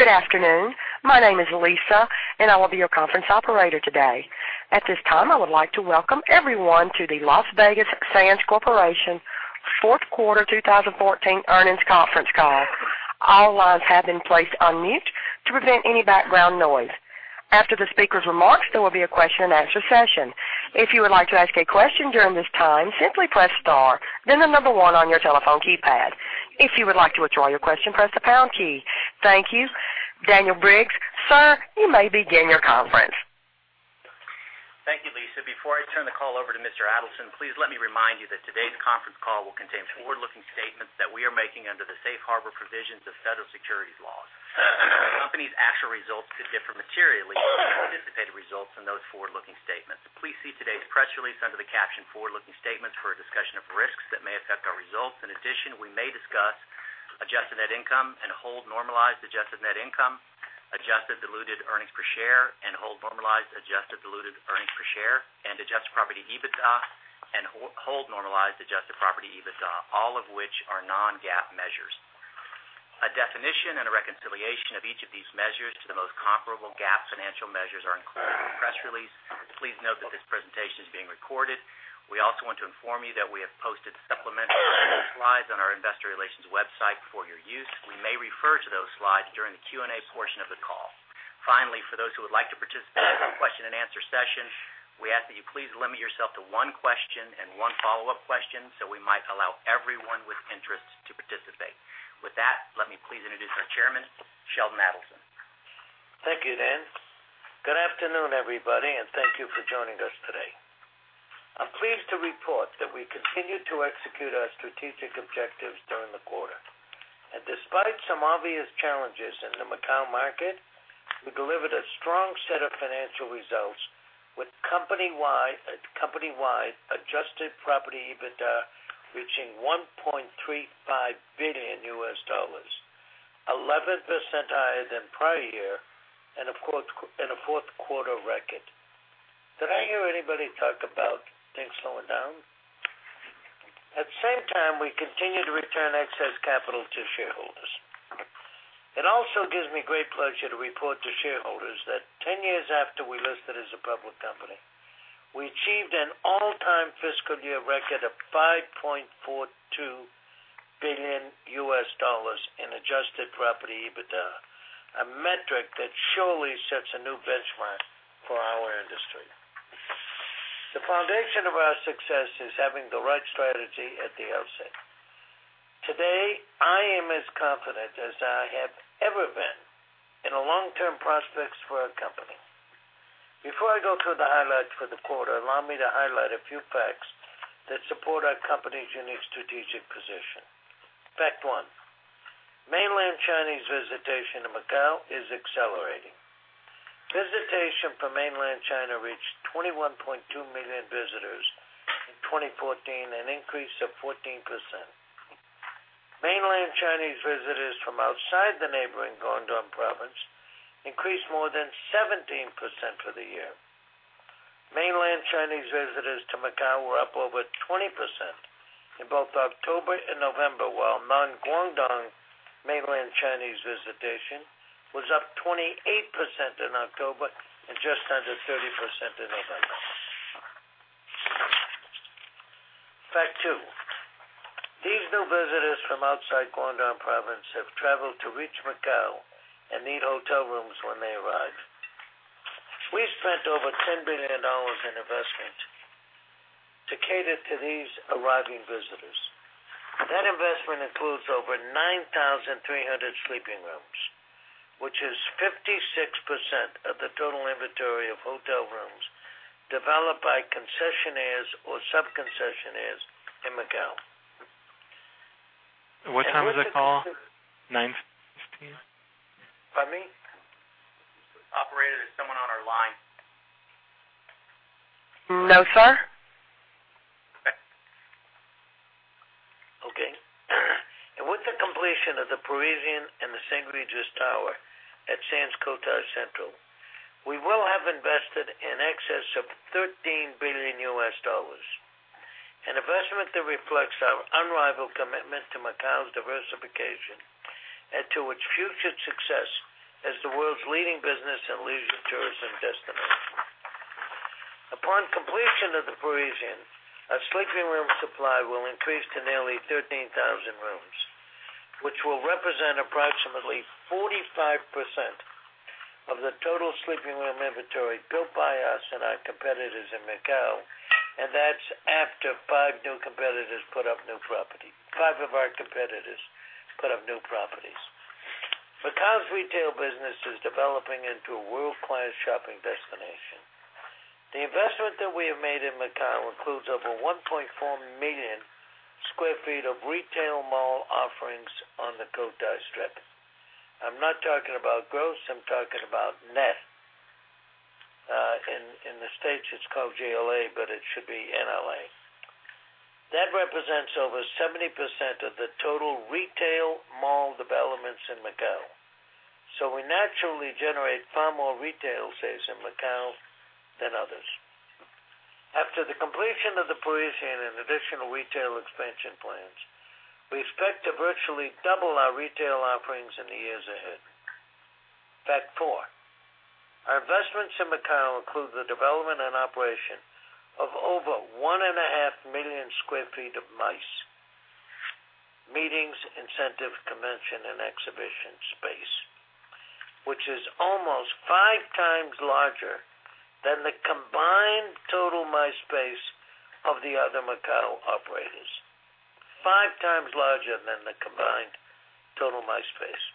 Good afternoon. My name is Lisa, and I will be your conference operator today. At this time, I would like to welcome everyone to the Las Vegas Sands Corporation fourth quarter 2014 earnings conference call. All lines have been placed on mute to prevent any background noise. After the speaker's remarks, there will be a question-and-answer session. If you would like to ask a question during this time, simply press star, then the number 1 on your telephone keypad. If you would like to withdraw your question, press the pound key. Thank you. Daniel Briggs, sir, you may begin your conference. Thank you, Lisa. Before I turn the call over to Mr. Adelson, please let me remind you that today's conference call will contain forward-looking statements that we are making under the safe harbor provisions of federal securities laws. The company's actual results could differ materially from anticipated results in those forward-looking statements. Please see today's press release under the caption forward-looking statements for a discussion of risks that may affect our results. In addition, we may discuss adjusted net income and hold normalized adjusted net income, adjusted diluted earnings per share, and hold normalized adjusted diluted earnings per share, and adjusted property EBITDA, and hold normalized adjusted property EBITDA, all of which are non-GAAP measures. A definition and a reconciliation of each of these measures to the most comparable GAAP financial measures are included in the press release. Please note that this presentation is being recorded. We also want to inform you that we have posted supplementary slides on our investor relations website for your use. We may refer to those slides during the Q&A portion of the call. Finally, for those who would like to participate in the question-and-answer session, we ask that you please limit yourself to 1 question and 1 follow-up question so we might allow everyone with interest to participate. With that, let me please introduce our chairman, Sheldon Adelson. Thank you, Dan. Good afternoon, everybody, and thank you for joining us today. I'm pleased to report that we continued to execute our strategic objectives during the quarter. Despite some obvious challenges in the Macao market, we delivered a strong set of financial results with company-wide adjusted property EBITDA reaching $1.35 billion, 11% higher than prior year and a fourth quarter record. Did I hear anybody talk about things slowing down? At the same time, we continue to return excess capital to shareholders. It also gives me great pleasure to report to shareholders that 10 years after we listed as a public company, we achieved an all-time fiscal year record of $5.42 billion in adjusted property EBITDA, a metric that surely sets a new benchmark for our industry. The foundation of our success is having the right strategy at the outset. Today, I am as confident as I have ever been in the long-term prospects for our company. Before I go through the highlights for the quarter, allow me to highlight a few facts that support our company's unique strategic position. Fact one, mainland Chinese visitation to Macao is accelerating. Visitation from mainland China reached 21.2 million visitors in 2014, an increase of 14%. Mainland Chinese visitors from outside the neighboring Guangdong province increased more than 17% for the year. Mainland Chinese visitors to Macao were up over 20% in both October and November, while non-Guangdong mainland Chinese visitation was up 28% in October and just under 30% in November. Fact two, these new visitors from outside Guangdong province have traveled to reach Macao and need hotel rooms when they arrive. We spent over $10 billion in investment to cater to these arriving visitors. That investment includes over 9,300 sleeping rooms, which is 56% of the total inventory of hotel rooms developed by concessionaires or sub-concessionaires in Macao. What time is the call? 9:15? Pardon me? Operator, is someone on our line? No, sir. Okay. With the completion of The Parisian and the St. Regis Tower at Sands Cotai Central, we will have invested in excess of $13 billion U.S., an investment that reflects our unrivaled commitment to Macau's diversification and to its future success as the world's leading business and leisure tourism destination. Upon completion of The Parisian, our sleeping room supply will increase to nearly 13,000 rooms, which will represent approximately 45% of the total sleeping room inventory built by us and our competitors in Macau, and that's after five of our competitors put up new properties. Macau's retail business is developing into a world-class shopping destination. The investment that we have made in Macau includes over 1.4 million sq ft of retail mall offerings on the Cotai Strip. I'm not talking about gross, I'm talking about net. In the U.S., it's called GLA, but it should be NLA. That represents over 70% of the total retail mall developments in Macau. We naturally generate far more retail sales in Macau than others. After the completion of The Parisian and additional retail expansion plans, we expect to virtually double our retail offerings in the years ahead. Fact four, our investments in Macau include the development and operation of over one and a half million sq ft of MICE, Meetings, Incentive, Convention, and Exhibition space, which is almost five times larger than the combined total MICE space of the other Macau operators. Five times larger than the combined total MICE space.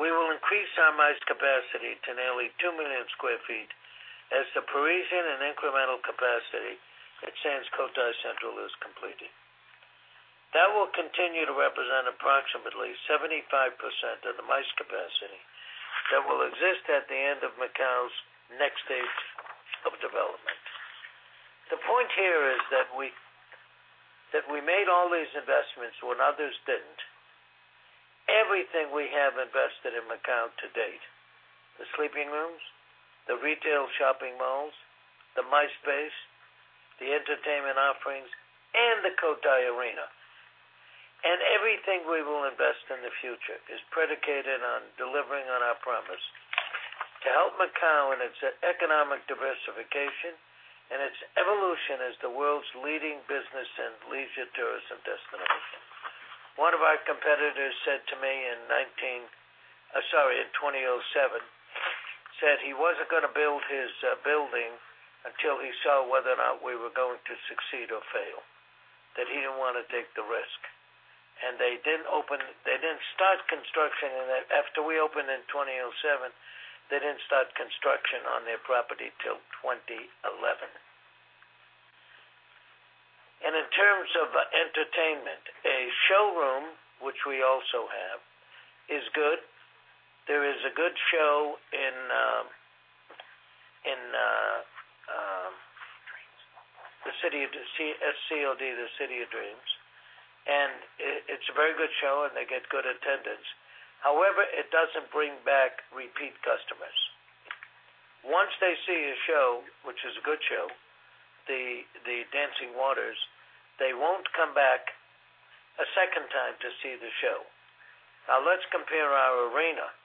We will increase our MICE capacity to nearly two million sq ft as The Parisian and incremental capacity at Sands Cotai Central is completed. That will continue to represent approximately 75% of the MICE capacity that will exist at the end of Macau's next stage of development. The point here is that we made all these investments when others didn't. Everything we have invested in Macau to date, the sleeping rooms, the retail shopping malls, the MICE space, the entertainment offerings, and the Cotai Arena, and everything we will invest in the future is predicated on delivering on our promise to help Macau in its economic diversification and its evolution as the world's leading business and leisure tourism destination. One of our competitors said to me in 2007, said he wasn't going to build his building until he saw whether or not we were going to succeed or fail, that he didn't want to take the risk. They didn't start construction, after we opened in 2007, they didn't start construction on their property till 2011. In terms of entertainment, a showroom, which we also have, is good. There is a good show in City of Dreams. It's a very good show, and they get good attendance. However, it doesn't bring back repeat customers. Once they see a show, which is a good show, The House of Dancing Water, they won't come back a second time to see the show. Now let's compare our arena, our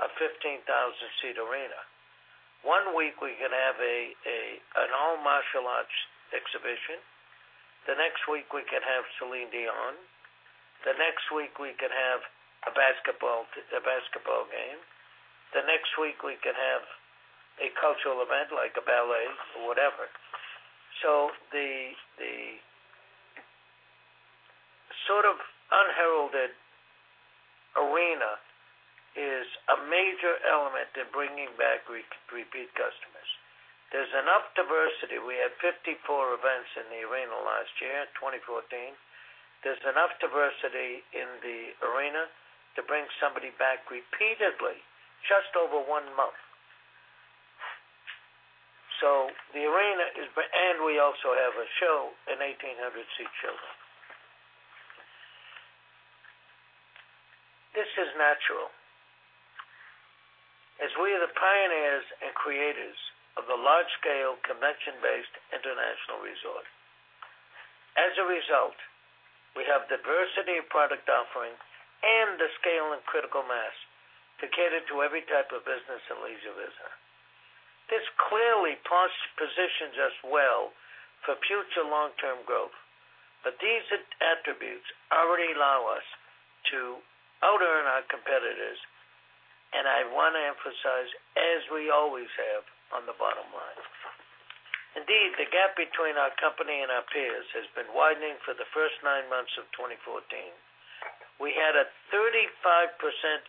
15,000-seat arena. One week we can have an all martial arts exhibition. The next week we can have Celine Dion. The next week we can have a basketball game. The next week we can have a cultural event like a ballet or whatever. The sort of unheralded arena is a major element in bringing back repeat customers. There's enough diversity. We had 54 events in the arena last year, 2014. There's enough diversity in the arena to bring somebody back repeatedly just over one month. We also have a show, an 1,800-seat show. This is natural, as we are the pioneers and creators of the large-scale, convention-based international resort. As a result, we have diversity of product offering and the scale and critical mass to cater to every type of business and leisure visitor. This clearly positions us well for future long-term growth. These attributes already allow us to out-earn our competitors, and I want to emphasize, as we always have on the bottom line. Indeed, the gap between our company and our peers has been widening for the first nine months of 2014. We had a 35%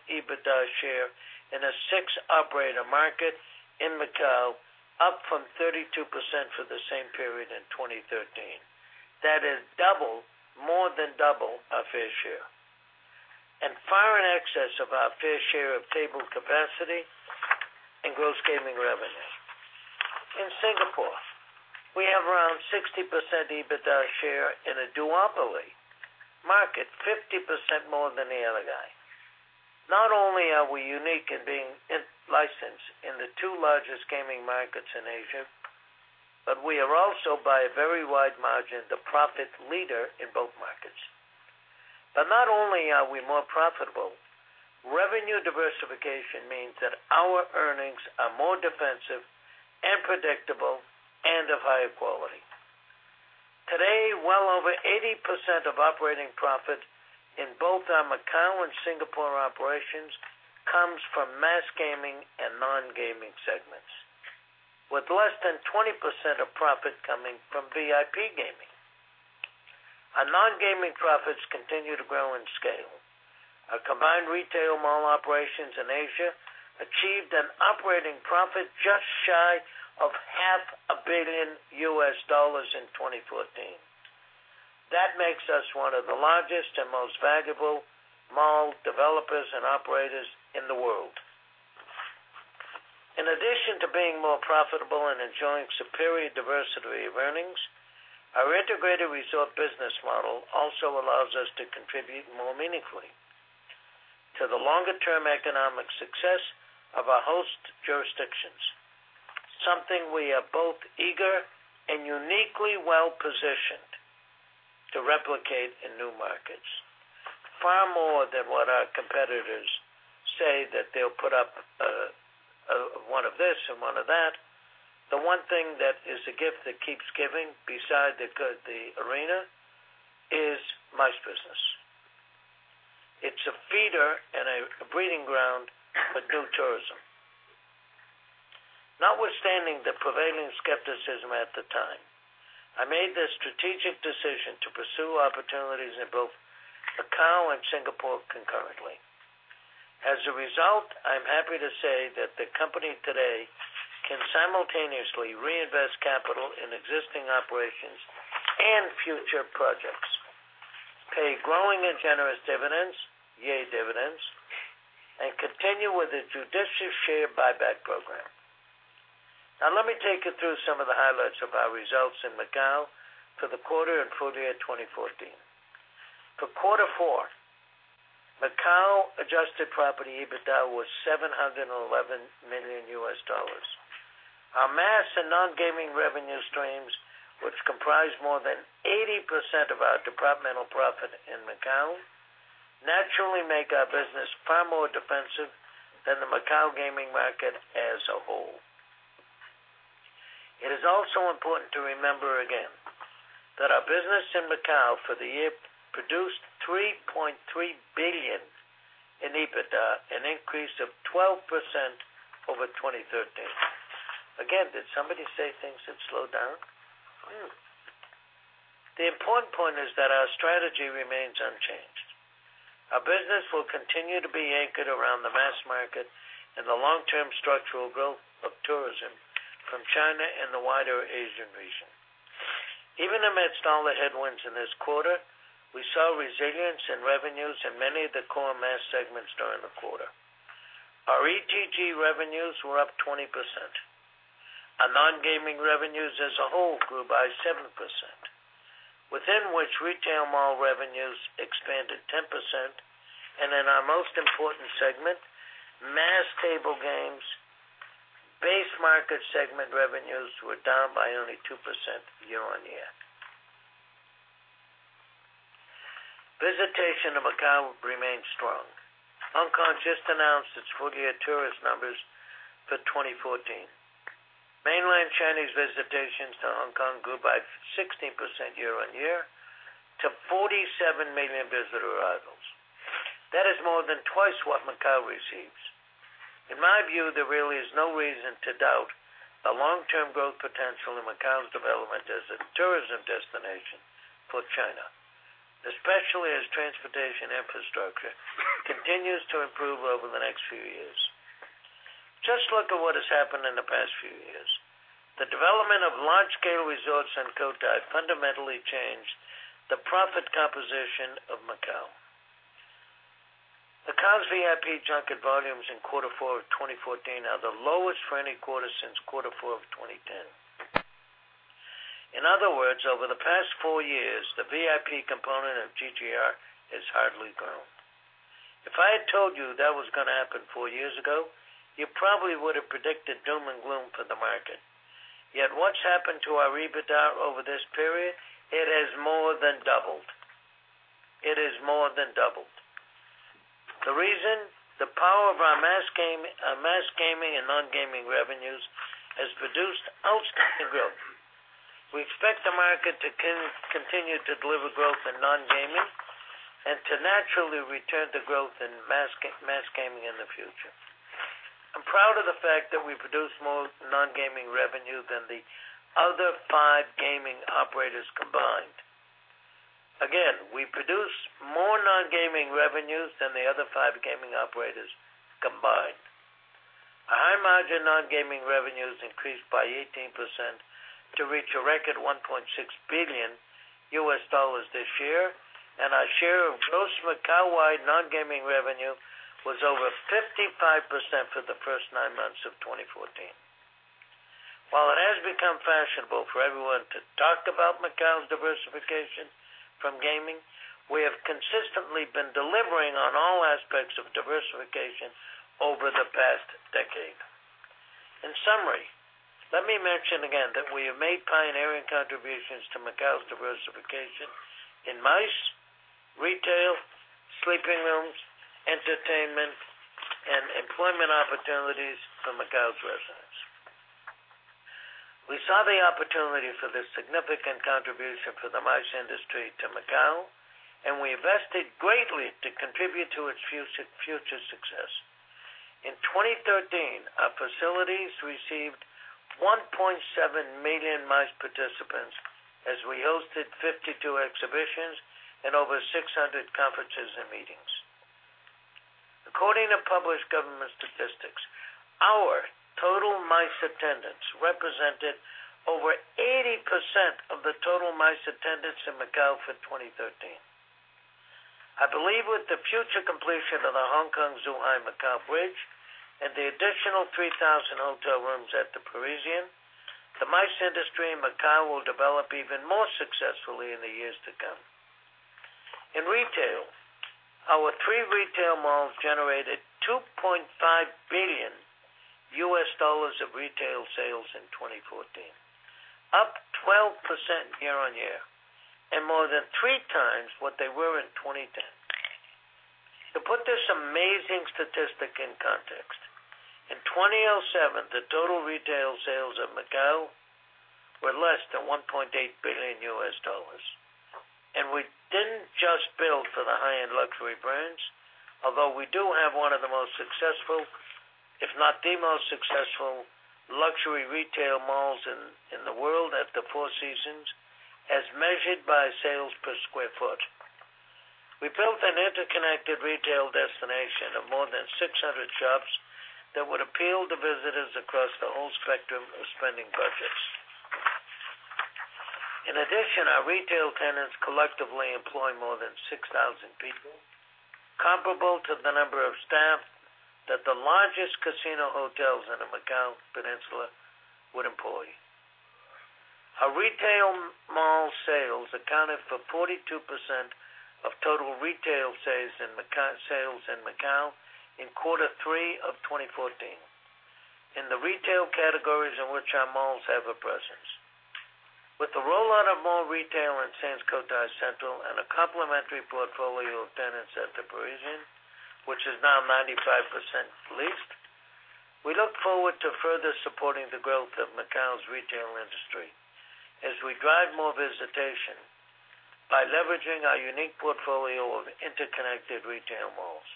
EBITDA share in a six-operator market in Macau, up from 32% for the same period in 2013. That is double, more than double our fair share, and far in excess of our fair share of table capacity and gross gaming revenue. In Singapore, we have around 60% EBITDA share in a duopoly market, 50% more than the other guy. Not only are we unique in being licensed in the two largest gaming markets in Asia, but we are also, by a very wide margin, the profit leader in both markets. Not only are we more profitable, revenue diversification means that our earnings are more defensive and predictable and of higher quality. Today, well over 80% of operating profit in both our Macau and Singapore operations comes from mass gaming and non-gaming segments, with less than 20% of profit coming from VIP gaming. Our non-gaming profits continue to grow in scale. Our combined retail mall operations in Asia achieved an operating profit just shy of half a billion US dollars in 2014. That makes us one of the largest and most valuable mall developers and operators in the world. In addition to being more profitable and enjoying superior diversity of earnings, our integrated resort business model also allows us to contribute more meaningfully to the longer-term economic success of our host jurisdictions. Something we are both eager and uniquely well-positioned to replicate in new markets. Far more than what our competitors say that they'll put up one of this and one of that. The one thing that is a gift that keeps giving beside the arena is MICE business. It's a feeder and a breeding ground for new tourism. Notwithstanding the prevailing skepticism at the time, I made the strategic decision to pursue opportunities in both Macau and Singapore concurrently. I'm happy to say that the company today can simultaneously reinvest capital in existing operations and future projects. Pay growing and generous dividends, yay, dividends, and continue with a judicious share buyback program. Let me take you through some of the highlights of our results in Macau for the quarter and full year 2014. For quarter four, Macau adjusted property EBITDA was $711 million. Our mass and non-gaming revenue streams, which comprise more than 80% of our departmental profit in Macau, naturally make our business far more defensive than the Macau gaming market as a whole. It is also important to remember again that our business in Macau for the year produced $3.3 billion in EBITDA, an increase of 12% over 2013. Did somebody say things had slowed down? The important point is that our strategy remains unchanged. Our business will continue to be anchored around the mass market and the long-term structural growth of tourism from China and the wider Asian region. Even amidst all the headwinds in this quarter, we saw resilience in revenues in many of the core mass segments during the quarter. Our ETG revenues were up 20%. Our non-gaming revenues as a whole grew by 7%. Within which retail mall revenues expanded 10%. In our most important segment, mass table games, base market segment revenues were down by only 2% year-on-year. Visitation of Macau remains strong. Hong Kong just announced its full-year tourist numbers for 2014. Mainland Chinese visitations to Hong Kong grew by 16% year-on-year to 47 million visitor arrivals. That is more than twice what Macau receives. In my view, there really is no reason to doubt the long-term growth potential in Macau's development as a tourism destination for China, especially as transportation infrastructure continues to improve over the next few years. Just look at what has happened in the past few years. The development of large-scale resorts in Cotai fundamentally changed the profit composition of Macau. Macau's VIP junket volumes in quarter four of 2014 are the lowest for any quarter since quarter four of 2010. In other words, over the past four years, the VIP component of GGR has hardly grown. If I had told you that was going to happen four years ago, you probably would have predicted doom and gloom for the market. What's happened to our EBITDA over this period? It has more than doubled. The reason? The power of our mass gaming and non-gaming revenues has produced outstanding growth. We expect the market to continue to deliver growth in non-gaming and to naturally return to growth in mass gaming in the future. I'm proud of the fact that we produce more non-gaming revenue than the other five gaming operators combined. We produce more non-gaming revenues than the other five gaming operators combined. Our high-margin non-gaming revenues increased by 18% to reach a record $1.6 billion this year, and our share of gross Macau-wide non-gaming revenue was over 55% for the first nine months of 2014. While it has become fashionable for everyone to talk about Macau's diversification from gaming, we have consistently been delivering on all aspects of diversification over the past decade. In summary, let me mention again that we have made pioneering contributions to Macau's diversification in MICE, retail, sleeping rooms, entertainment, and employment opportunities for Macau's residents. We saw the opportunity for this significant contribution for the MICE industry to Macau, and we invested greatly to contribute to its future success. In 2013, our facilities received 1.7 million MICE participants as we hosted 52 exhibitions and over 600 conferences and meetings. According to published government statistics, our total MICE attendance represented over 80% of the total MICE attendance in Macau for 2013. I believe with the future completion of the Hong Kong-Zhuhai-Macau bridge and the additional 3,000 hotel rooms at The Parisian, the MICE industry in Macau will develop even more successfully in the years to come. In retail, our three retail malls generated $2.5 billion of retail sales in 2014, up 12% year-on-year, and more than three times what they were in 2010. To put this amazing statistic in context, in 2007, the total retail sales in Macau were less than $1.8 billion. We didn't just build for the high-end luxury brands, although we do have one of the most successful, if not the most successful luxury retail malls in the world at the Four Seasons, as measured by sales per square foot. We built an interconnected retail destination of more than 600 shops that would appeal to visitors across the whole spectrum of spending budgets. In addition, our retail tenants collectively employ more than 6,000 people, comparable to the number of staff that the largest casino hotels in the Macau Peninsula would employ. Our retail mall sales accounted for 42% of total retail sales in Macau in quarter three of 2014, in the retail categories in which our malls have a presence. With the rollout of more retail in Sands Cotai Central and a complementary portfolio of tenants at The Parisian, which is now 95% leased, we look forward to further supporting the growth of Macau's retail industry as we drive more visitation by leveraging our unique portfolio of interconnected retail malls.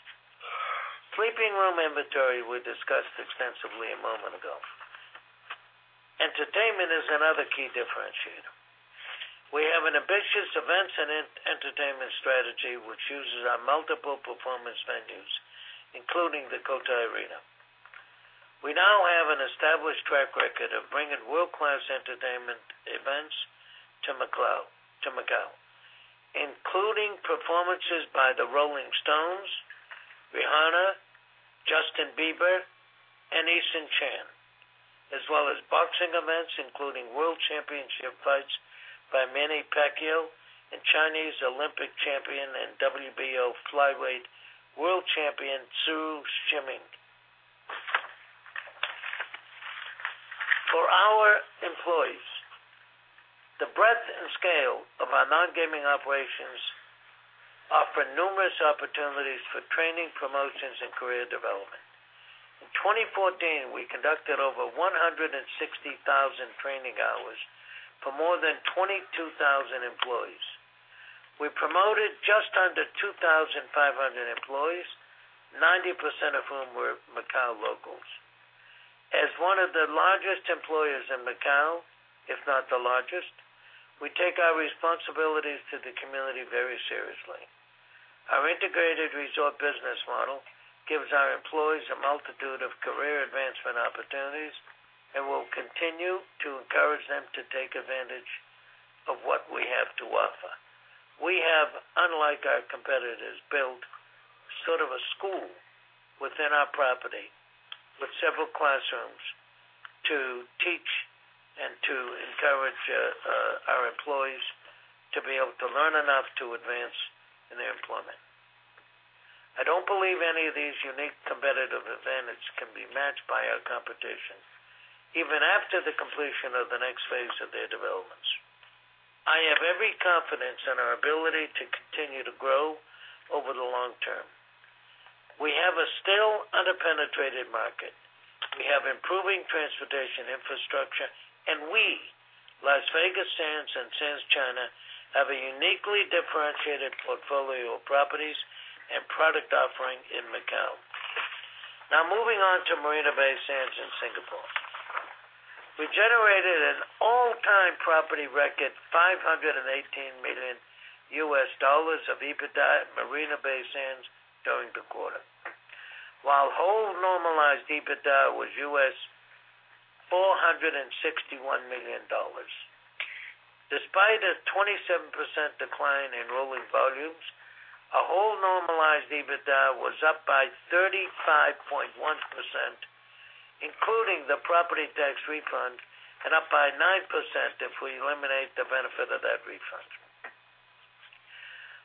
Sleeping room inventory we discussed extensively a moment ago. Entertainment is another key differentiator. We have an ambitious events and entertainment strategy which uses our multiple performance venues, including the Cotai Arena. We now have an established track record of bringing world-class entertainment events to Macau, including performances by The Rolling Stones, Rihanna, Justin Bieber, and Eason Chan. As well as boxing events, including world championship fights by Manny Pacquiao and Chinese Olympic champion and WBO flyweight world champion, Zou Shiming. For our employees, the breadth and scale of our non-gaming operations offer numerous opportunities for training, promotions, and career development. In 2014, we conducted over 160,000 training hours for more than 22,000 employees. We promoted just under 2,500 employees, 90% of whom were Macau locals. As one of the largest employers in Macau, if not the largest, we take our responsibilities to the community very seriously. Our integrated resort business model gives our employees a multitude of career advancement opportunities and will continue to encourage them to take advantage of what we have to offer. We have, unlike our competitors, built sort of a school within our property with several classrooms to teach and to encourage our employees to be able to learn enough to advance in their employment. I don't believe any of these unique competitive advantage can be matched by our competition, even after the completion of the next phase of their developments. I have every confidence in our ability to continue to grow over the long term. We have a still under-penetrated market. We have improving transportation infrastructure, and we, Las Vegas Sands and Sands China, have a uniquely differentiated portfolio of properties and product offering in Macau. Moving on to Marina Bay Sands in Singapore. We generated an all-time property record, $518 million of EBITDA at Marina Bay Sands during the quarter. While whole normalized EBITDA was $461 million. Despite a 27% decline in rolling volumes, our whole normalized EBITDA was up by 35.1%, including the property tax refund, and up by 9% if we eliminate the benefit of that refund.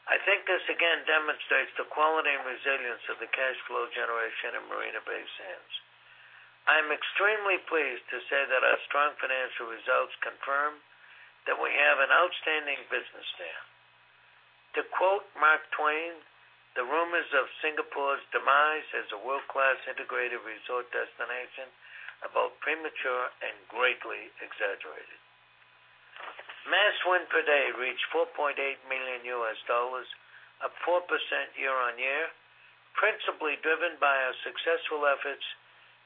I think this again demonstrates the quality and resilience of the cash flow generation at Marina Bay Sands. I'm extremely pleased to say that our strong financial results confirm that we have an outstanding business there. To quote Mark Twain, "The rumors of Singapore's demise as a world-class integrated resort destination are both premature and greatly exaggerated." Mass win per day reached $4.8 million, up 4% year-on-year, principally driven by our successful efforts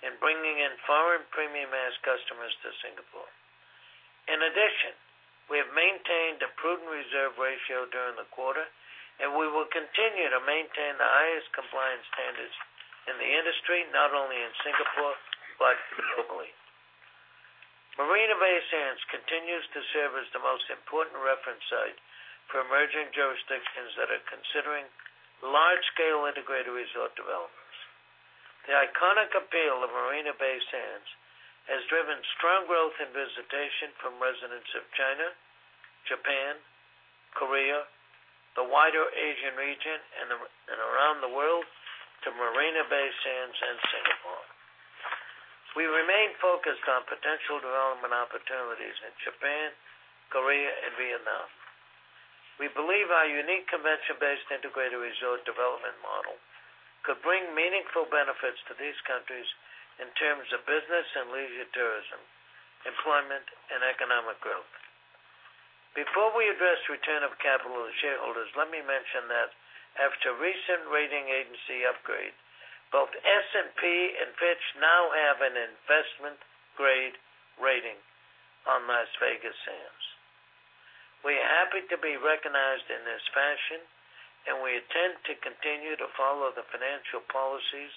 in bringing in foreign premium mass customers to Singapore. In addition, we have maintained a prudent reserve ratio during the quarter, and we will continue to maintain the highest compliance standards in the industry, not only in Singapore, but globally. Marina Bay Sands continues to serve as the most important reference site for emerging jurisdictions that are considering large-scale integrated resort development. The iconic appeal of Marina Bay Sands has driven strong growth in visitation from residents of China, Japan, Korea, the wider Asian region, and around the world to Marina Bay Sands and Singapore. We remain focused on potential development opportunities in Japan, Korea, and Vietnam. We believe our unique convention-based integrated resort development model could bring meaningful benefits to these countries in terms of business and leisure tourism, employment, and economic growth. Before we address return of capital to shareholders, let me mention that after recent rating agency upgrade, both S&P and Fitch now have an investment-grade rating on Las Vegas Sands. We're happy to be recognized in this fashion, and we intend to continue to follow the financial policies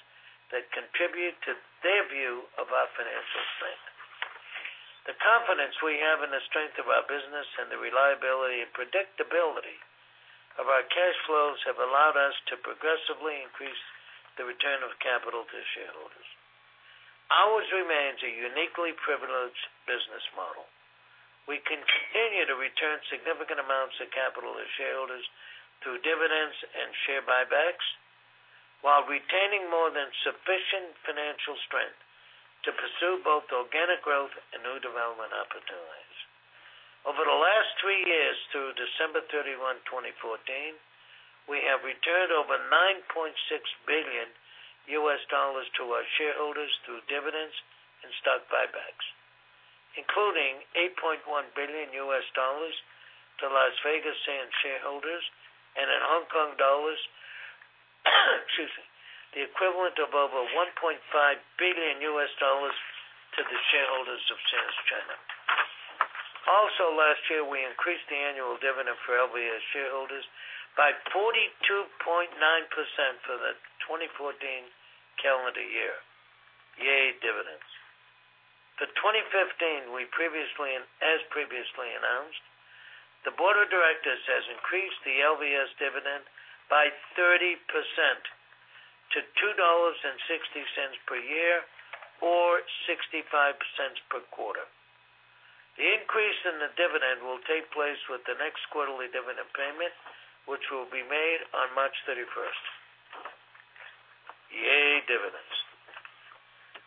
that contribute to their view of our financial strength. The confidence we have in the strength of our business and the reliability and predictability of our cash flows have allowed us to progressively increase the return of capital to shareholders. Ours remains a uniquely privileged business model. We continue to return significant amounts of capital to shareholders through dividends and share buybacks while retaining more than sufficient financial strength to pursue both organic growth and new development opportunities. Over the last three years, through December 31, 2014, we have returned over $9.6 billion to our shareholders through dividends and stock buybacks, including $8.1 billion to Las Vegas Sands shareholders and in HKD, excuse me, the equivalent of over $1.5 billion to the shareholders of Sands China. Also, last year, we increased the annual dividend for LVS shareholders by 42.9% for the 2014 calendar year. Yay, dividends. For 2015, as previously announced, the board of directors has increased the LVS dividend by 30% to $2.60 per year or $0.65 per quarter. The increase in the dividend will take place with the next quarterly dividend payment, which will be made on March 31st. Yay, dividends.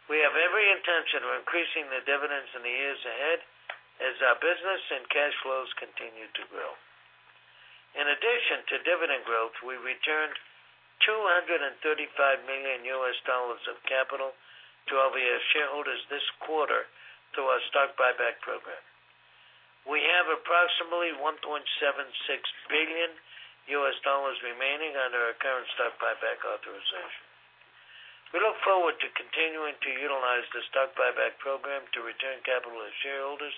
We have every intention of increasing the dividends in the years ahead as our business and cash flows continue to grow. In addition to dividend growth, we returned $235 million of capital to LVS shareholders this quarter through our stock buyback program. We have approximately $1.76 billion remaining under our current stock buyback authorization. We look forward to continuing to utilize the stock buyback program to return capital to shareholders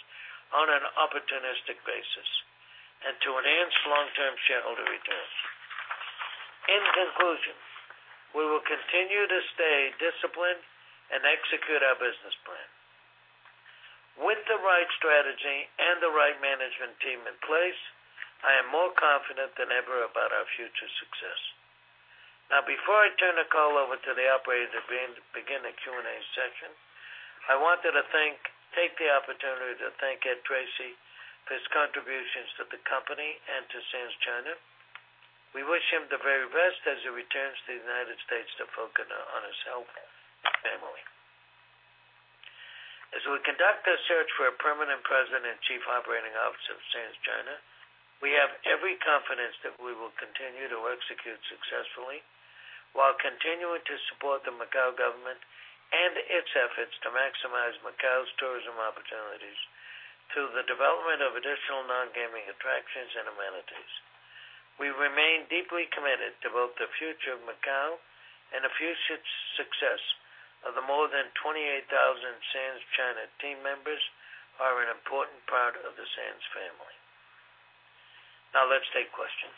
on an opportunistic basis and to enhance long-term shareholder returns. In conclusion, we will continue to stay disciplined and execute our business plan. With the right strategy and the right management team in place, I am more confident than ever about our future success. Before I turn the call over to the operator to begin the Q&A session, I wanted to take the opportunity to thank Ed Tracy for his contributions to the company and to Sands China. We wish him the very best as he returns to the U.S. to focus on his health and family. As we conduct our search for a permanent President and Chief Operating Officer of Sands China, we have every confidence that we will continue to execute successfully while continuing to support the Macau government and its efforts to maximize Macau's tourism opportunities through the development of additional non-gaming attractions and amenities. We remain deeply committed to both the future of Macau and the future success of the more than 28,000 Sands China team members are an important part of the Sands family. Now let's take questions.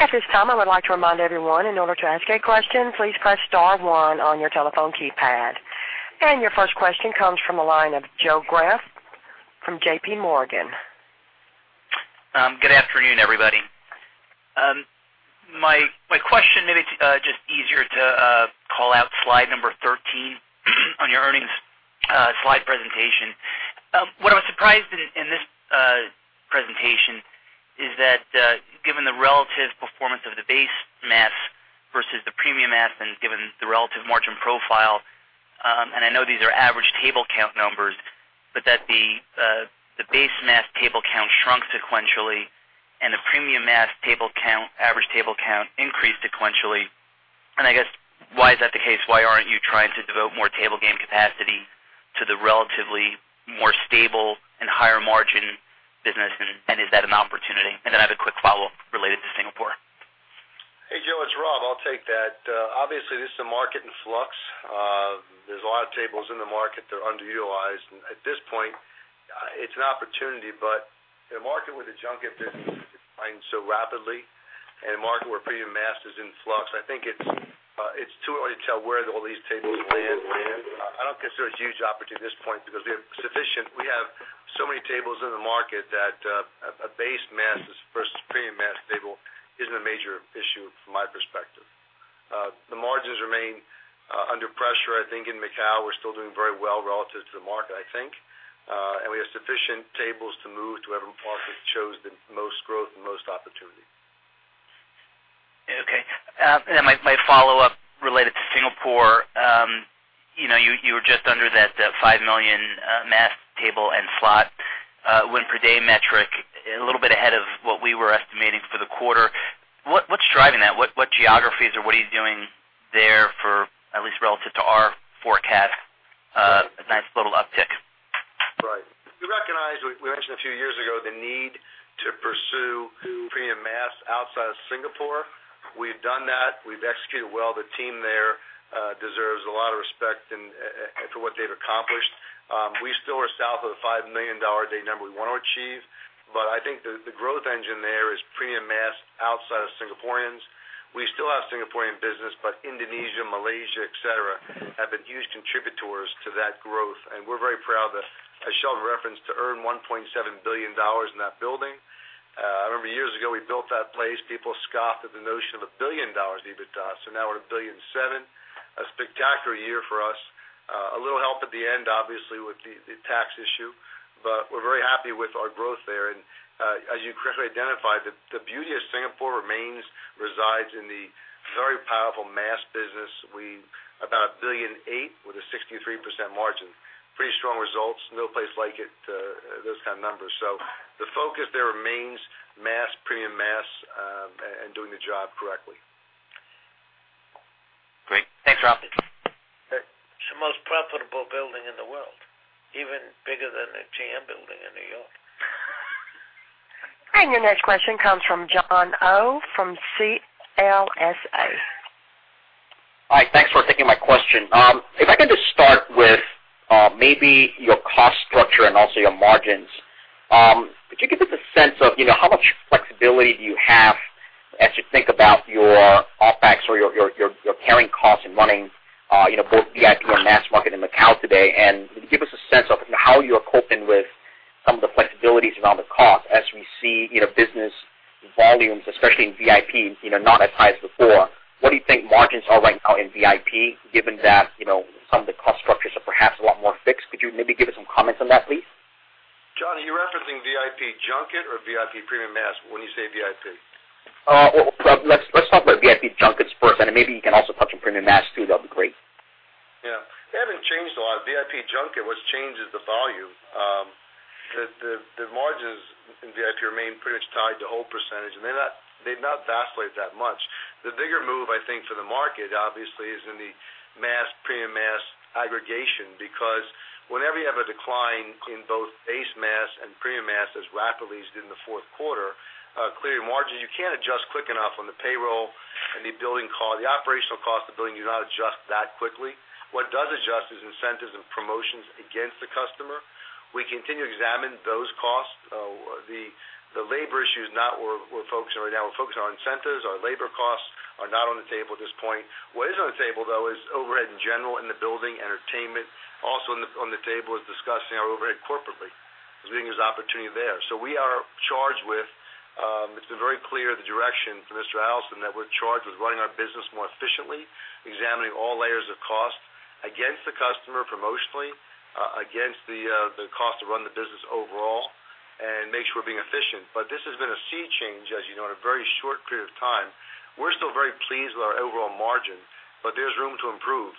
At this time, I would like to remind everyone in order to ask a question, please press star one on your telephone keypad. Your first question comes from the line of Joe Greff from JPMorgan Chase. Good afternoon, everybody. My question, maybe it's just easier to call out slide 13 on your earnings slide presentation. What I was surprised in this presentation is that given the relative performance of the base mass versus the premium mass and given the relative margin profile, and I know these are average table count numbers, but that the base mass table count shrunk sequentially, and the premium mass average table count increased sequentially. I guess why is that the case? Why aren't you trying to devote more table game capacity to the relatively more stable and higher margin business, and is that an opportunity? I have a quick follow-up related to Singapore. Hey, Joe, it's Rob. I'll take that. Obviously, this is a market in flux. There's a lot of tables in the market that are underutilized. At this point, it's an opportunity, but in a market where the junket business is declining so rapidly and a market where premium mass is in flux, I think it's too early to tell where all these tables land. I don't consider it a huge opportunity at this point because we have so many tables in the market that a base mass versus premium mass table isn't a major issue from my perspective. The margins remain under pressure. I think in Macau, we're still doing very well relative to the market, I think. We have sufficient tables to move to whatever market shows the most growth and most opportunity. Okay. My follow-up related to Singapore. You were just under that $5 million mass table and slot win per day metric, a little bit ahead of what we were estimating for the quarter. What's driving that? What geographies or what are you doing there for at least relative to our forecast? A nice little uptick. Right. We recognized, we mentioned a few years ago, the need to pursue premium mass outside of Singapore. We've done that. We've executed well. The team there deserves a lot of respect for what they've accomplished. We still are south of the $5 million day number we want to achieve. I think the growth engine there is premium mass outside of Singaporeans. We still have Singaporean business. Indonesia, Malaysia, et cetera, have been huge contributors to that growth. We're very proud that Sheldon referenced to earn $1.7 billion in that building. I remember years ago, we built that place. People scoffed at the notion of $1 billion EBITDA. Now we're $1.7 billion. A spectacular year for us. A little help at the end, obviously, with the tax issue. We're very happy with our growth there. As you correctly identified, the beauty of Singapore remains, resides in the very powerful mass business. We about $1.8 billion with a 63% margin. Pretty strong results. No place like it, those kind of numbers. The focus there remains mass, premium mass, and doing the job correctly. Great. Thanks, Rob. It's the most profitable building in the world, even bigger than the GM Building in New York. Your next question comes from Jon Oh from CLSA. Hi. Thanks for taking my question. If I could just start with maybe your cost structure and also your margins. Could you give us a sense of how much flexibility do you have as you think about your OpEx or your carrying costs and running both VIP and mass market in Macau today? Can you give us a sense of how you're coping with some of the flexibilities around the cost as we see business volumes, especially in VIP, not as high as before? What do you think margins are right now in VIP, given that some of the cost structures are perhaps a lot more fixed? Could you maybe give us some comments on that, please? Jon, are you referencing VIP junket or VIP premium mass when you say VIP? Let's talk about VIP junkets first, and then maybe you can also touch on premium mass, too. That'd be great. Yeah. It hasn't changed a lot. VIP junket, what's changed is the volume. The margins in VIP remain pretty much tied to whole percentage, and they've not vacillated that much. The bigger move, I think, for the market, obviously, is in the mass, premium mass aggregation, because whenever you have a decline in both base mass and premium mass as rapidly as in the fourth quarter, clearly your margins, you can't adjust quick enough on the payroll and the building cost. The operational cost of the building, you cannot adjust that quickly. What does adjust is incentives and promotions against the customer. We continue to examine those costs. The labor issue is not where we're focusing right now. We're focusing on incentives. Our labor costs are not on the table at this point. What is on the table, though, is overhead in general in the building, entertainment. Also on the table is discussing our overhead corporately, as being there's opportunity there. We are charged with, it's been very clear, the direction from Mr. Adelson, that we're charged with running our business more efficiently, examining all layers of cost against the customer promotionally, against the cost to run the business overall, and make sure we're being efficient. This has been a sea change, as you know, in a very short period of time. We're still very pleased with our overall margin, but there's room to improve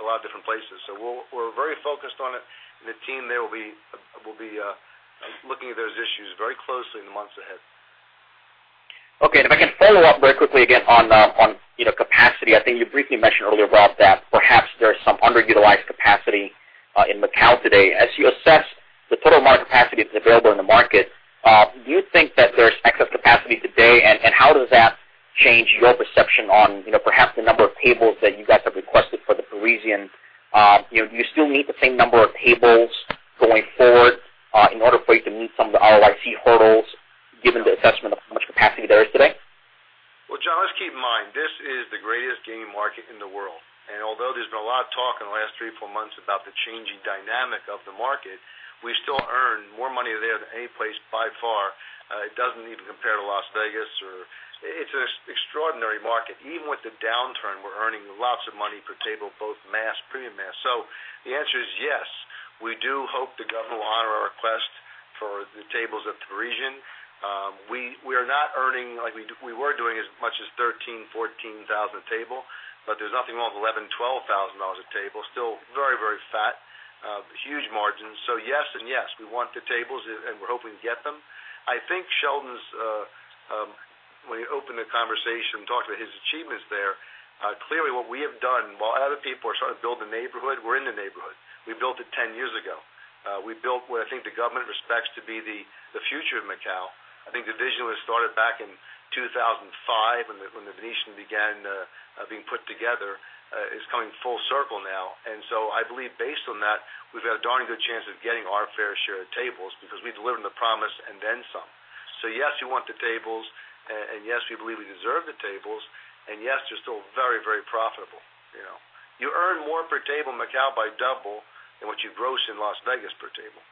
a lot of different places. We're very focused on it, and the team there will be looking at those issues very closely in the months ahead. Okay. If I can follow up very quickly again on capacity. I think you briefly mentioned earlier, Rob, that perhaps there's some underutilized capacity in Macau today. As you assess the total amount of capacity that's available in the market, do you think that there's excess capacity today? How does that change your perception on perhaps the number of tables that you guys have requested for The Parisian? Do you still need the same number of tables going forward in order for you to meet some of the ROIC hurdles, given the assessment of how much capacity there is today? Well, Jon, let's keep in mind, this is the greatest gaming market in the world. Although there's been a lot of talk in the last three, four months about the changing dynamic of the market, we still earn more money there than any place by far. It doesn't even compare to Las Vegas or. It's an extraordinary market. Even with the downturn, we're earning lots of money per table, both mass, premium mass. The answer is yes, we do hope the government will honor our request for the tables at The Parisian. We are not earning like we were doing as much as $13,000, $14,000 a table, but there's nothing wrong with $11,000, $12,000 a table. Still very, very fat. Huge margins. Yes and yes, we want the tables, and we're hoping to get them. I think Sheldon's, when he opened the conversation, talked about his achievements there. Clearly, what we have done, while other people are starting to build the neighborhood, we're in the neighborhood. We built it 10 years ago. We built what I think the government expects to be the future of Macau. I think the vision was started back in 2005 when the Venetian began being put together. It's coming full circle now. I believe based on that, we've got a darn good chance of getting our fair share of tables because we delivered on the promise and then some. Yes, we want the tables, yes, we believe we deserve the tables, yes, they're still very, very profitable. You earn more per table in Macau by double than what you gross in Las Vegas per table.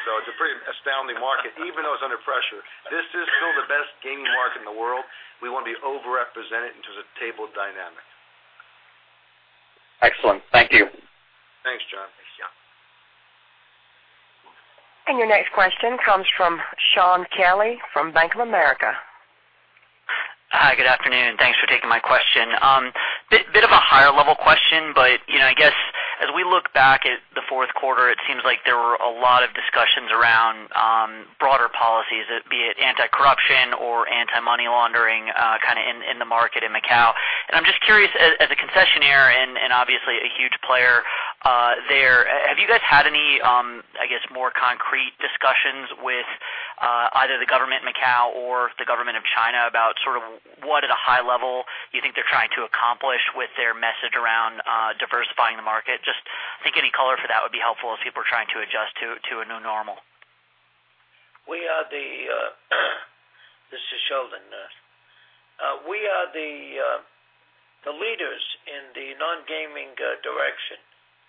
It's a pretty astounding market, even though it's under pressure. This is still the best gaming market in the world. We want to be overrepresented into the table dynamic. Excellent. Thank you. Your next question comes from Shaun Kelley from Bank of America. Hi, good afternoon. Thanks for taking my question. Bit of a higher level question. I guess as we look back at the fourth quarter, it seems like there were a lot of discussions around broader policies, be it anti-corruption or anti-money laundering, in the market in Macau. I'm just curious, as a concessionaire and obviously a huge player there, have you guys had any more concrete discussions with either the government in Macau or the government of China about what at a high level you think they're trying to accomplish with their message around diversifying the market? Just think any color for that would be helpful as people are trying to adjust to a new normal. This is Sheldon. We are the leaders in the non-gaming direction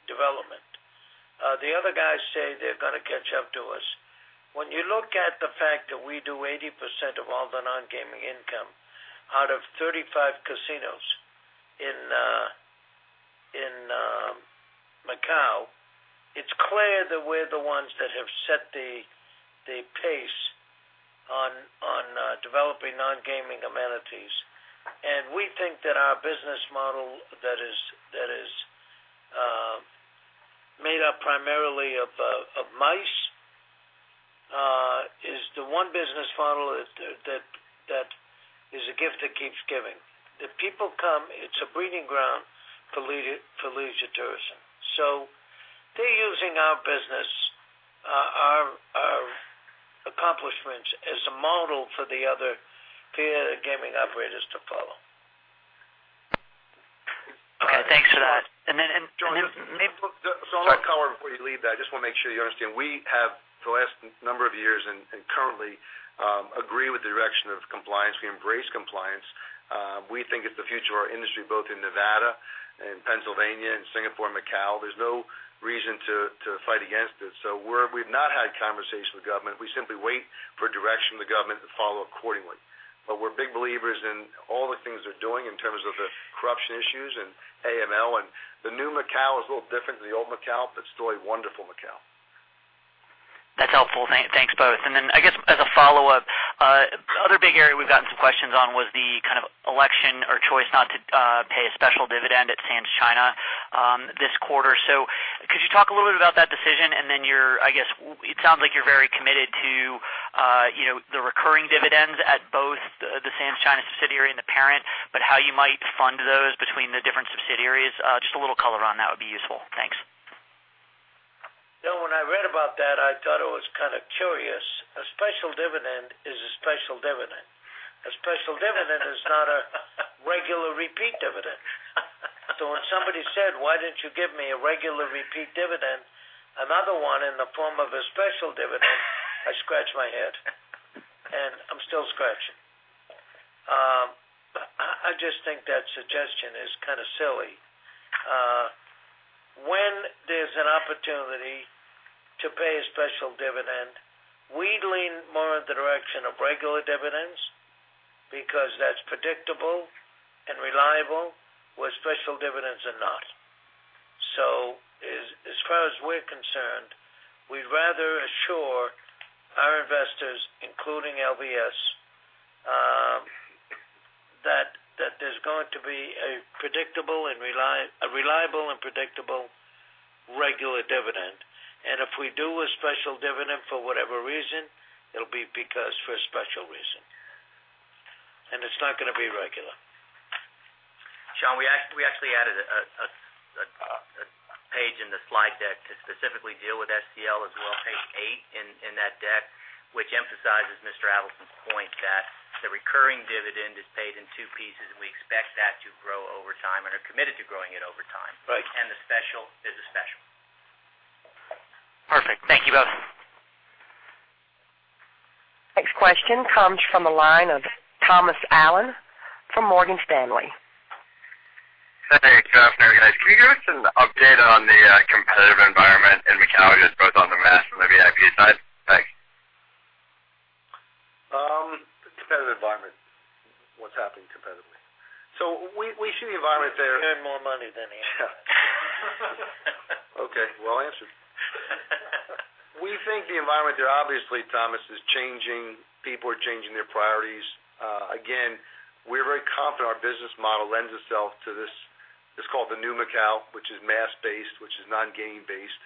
development. The other guys say they're going to catch up to us. When you look at the fact that we do 80% of all the non-gaming income out of 35 casinos in Macau, it's clear that we're the ones that have set the pace on developing non-gaming amenities. We think that our business model that is made up primarily of MICE, is the one business model that is a gift that keeps giving. If people come, it's a breeding ground for leisure tourism. They're using our business, our accomplishments as a model for the other peer gaming operators to follow. Okay, thanks for that. Shaun, one color before you leave that, I just want to make sure you understand. We have for the last number of years and currently agree with the direction of compliance. We embrace compliance. We think it's the future of our industry, both in Nevada and Pennsylvania and Singapore and Macau. There's no reason to fight against it. We've not had conversations with government. We simply wait for direction from the government and follow accordingly. We're big believers in all the things they're doing in terms of the corruption issues and AML. The new Macau is a little different to the old Macau, but it's still a wonderful Macau. That's helpful. Thanks both. I guess as a follow-up, other big area we've gotten some questions on was the kind of election or choice not to pay a special dividend at Sands China this quarter. Could you talk a little bit about that decision and then it sounds like you're very committed to the recurring dividends at both the Sands China subsidiary and the parent, but how you might fund those between the different subsidiaries. Just a little color on that would be useful. Thanks. When I read about that, I thought it was kind of curious. A special dividend is a special dividend. A special dividend is not a regular repeat dividend. When somebody said, "Why didn't you give me a regular repeat dividend, another one in the form of a special dividend?" I scratch my head, and I'm still scratching. I just think that suggestion is kind of silly. When there's an opportunity to pay a special dividend, we lean more in the direction of regular dividends because that's predictable and reliable, where special dividends are not. As far as we're concerned, we'd rather assure our investors, including LVS, that there's going to be a reliable and predictable regular dividend. If we do a special dividend for whatever reason, it'll be because for a special reason. It's not going to be regular. Shaun, we actually added a page in the slide deck to specifically deal with SCL as well, page eight in that deck, which emphasizes Mr. Adelson's point that the recurring dividend is paid in two pieces, we expect that to grow over time and are committed to growing it over time. Right. The special is a special. Perfect. Thank you both. Next question comes from the line of Thomas Allen from Morgan Stanley. Hey, good afternoon, guys. Can you give us an update on the competitive environment in Macau, just both on the mass and the VIP side? Thanks. Competitive environment. What's happening competitively? We see the environment there. We're getting more money than answer that. Okay. Well answered. We think the environment there, obviously, Thomas, is changing. People are changing their priorities. Again, we're very confident our business model lends itself to this. It's called the new Macau, which is mass-based, which is non-game based.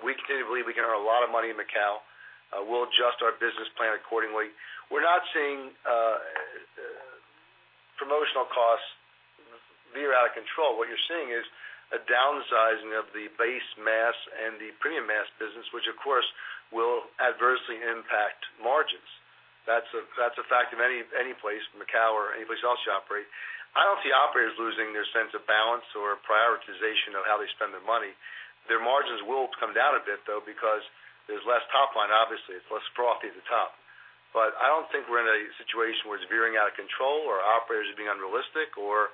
We continue to believe we can earn a lot of money in Macau. We'll adjust our business plan accordingly. We're not seeing promotional costs veer out of control. What you're seeing is a downsizing of the base mass and the premium mass business, which of course will adversely impact margins. That's a fact of any place, Macau or any place else you operate. I don't see operators losing their sense of balance or prioritization of how they spend their money. Their margins will come down a bit, though, because there's less top line, obviously. It's less profit at the top. I don't think we're in a situation where it's veering out of control or operators are being unrealistic or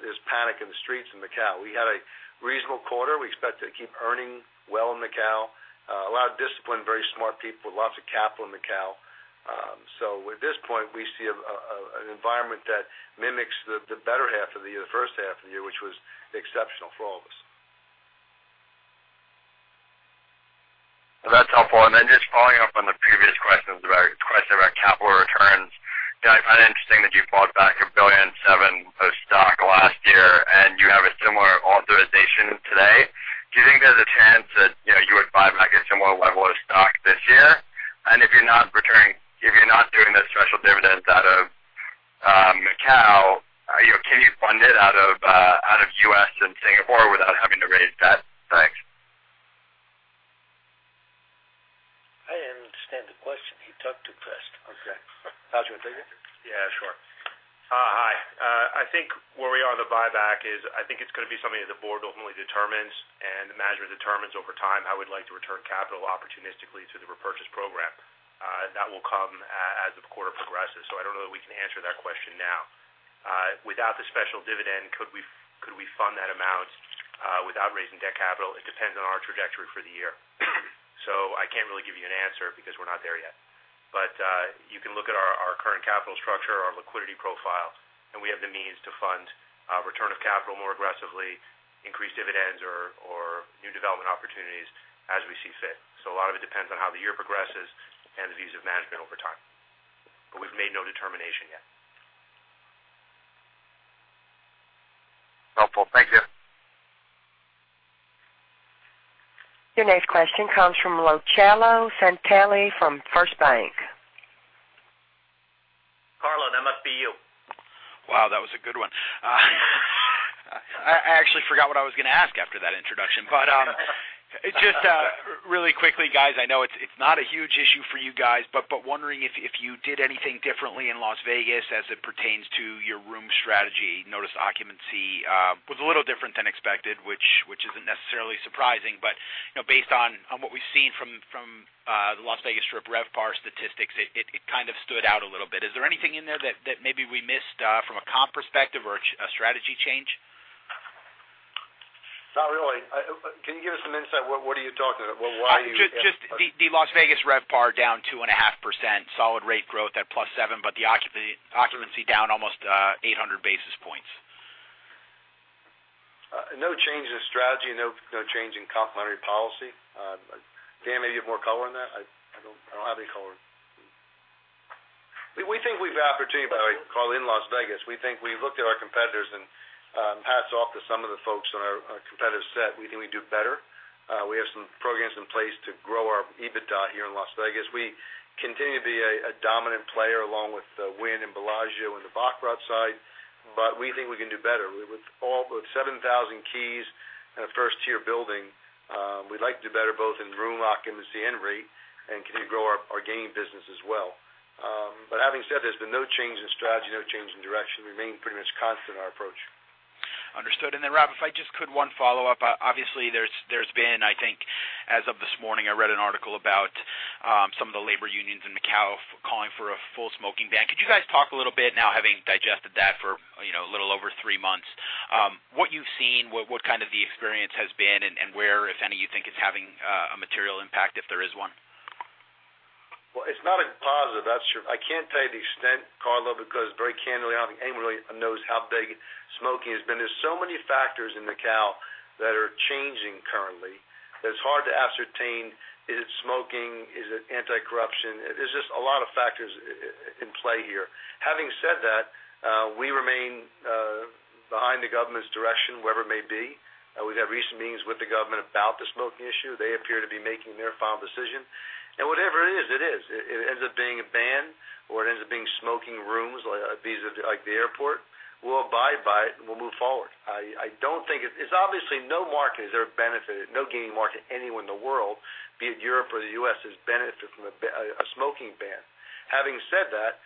there's panic in the streets in Macau. We had a reasonable quarter. We expect to keep earning well in Macau. A lot of discipline, very smart people, lots of capital in Macau. At this point, we see an environment that mimics the better half of the year, the first half of the year, which was exceptional for all of us. That's helpful. Just following up on the previous questions about capital returns, I find it interesting that you bought back $1.7 billion of stock last year, and you have a similar authorization today. Do you think there's a chance that you would buy back a similar level of stock this year? If you're not doing the special dividends out of Macau, can you fund it out of U.S. and Singapore without having to raise debt? Thanks. I didn't understand the question. He talked too fast. Okay. Patrick, did you? Yeah, sure. Hi. I think where we are on the buyback is, I think it's going to be something that the board ultimately determines and the management determines over time how we'd like to return capital opportunistically through the repurchase program. That will come as the quarter progresses. I don't know that we can answer that question now. Without the special dividend, could we fund that amount without raising debt capital? It depends on our trajectory for the year. I can't really give you an answer because we're not there yet. You can look at our current capital structure, our liquidity profile, and we have the means to fund return of capital more aggressively, increase dividends, or new development opportunities as we see fit. A lot of it depends on how the year progresses and the views of management over time, but we've made no determination yet. Helpful. Thank you. Your next question comes from Carlo Santarelli from Deutsche Bank. Carlo, that must be you. Wow, that was a good one. I actually forgot what I was going to ask after that introduction. Just really quickly, guys, I know it's not a huge issue for you guys, but wondering if I did anything differently in Las Vegas as it pertains to your room strategy. Notice occupancy was a little different than expected, which isn't necessarily surprising, but based on what we've seen from the Las Vegas Strip RevPAR statistics, it kind of stood out a little bit. Is there anything in there that maybe we missed from a comp perspective or a strategy change? Not really. Can you give us some insight? What are you talking about? Why are you asking? Just the Las Vegas RevPAR down 2.5%, solid rate growth at +7%, but the occupancy down almost 800 basis points. No change in strategy, no change in complementary policy. Dan, maybe you have more color on that? I don't have any color. We think we have opportunity, Carlo, in Las Vegas. We think we've looked at our competitors and hats off to some of the folks on our competitive set. We think we do better. We have some programs in place to grow our EBITDA here in Las Vegas. We continue to be a dominant player along with the Wynn and Bellagio and the Baccarat side, but we think we can do better. With 7,000 keys in a first-tier building, we'd like to do better both in room occupancy and rate and continue to grow our gaming business as well. Having said, there's been no change in strategy, no change in direction. Remain pretty much constant in our approach. Understood. Rob, if I just could one follow-up. Obviously, there's been, I think as of this morning, I read an article about some of the labor unions in Macau calling for a full smoking ban. Could you guys talk a little bit now, having digested that for a little over three months, what you've seen, what kind of the experience has been, and where, if any, you think it's having a material impact, if there is one? Well, it's not a positive, that's true. I can't tell you the extent, Carlo, because very candidly, I don't think anybody really knows how big smoking has been. There's so many factors in Macau that are changing currently that it's hard to ascertain, is it smoking? Is it anti-corruption? There's just a lot of factors in play here. Having said that, we remain behind the government's direction, whatever it may be. We've had recent meetings with the government about the smoking issue. They appear to be making their final decision. Whatever it is, it is. If it ends up being a ban or it ends up being smoking rooms like the airport, we'll abide by it and we'll move forward. Obviously, no market has ever benefited, no gaming market anywhere in the world, be it Europe or the U.S., has benefited from a smoking ban. Having said that,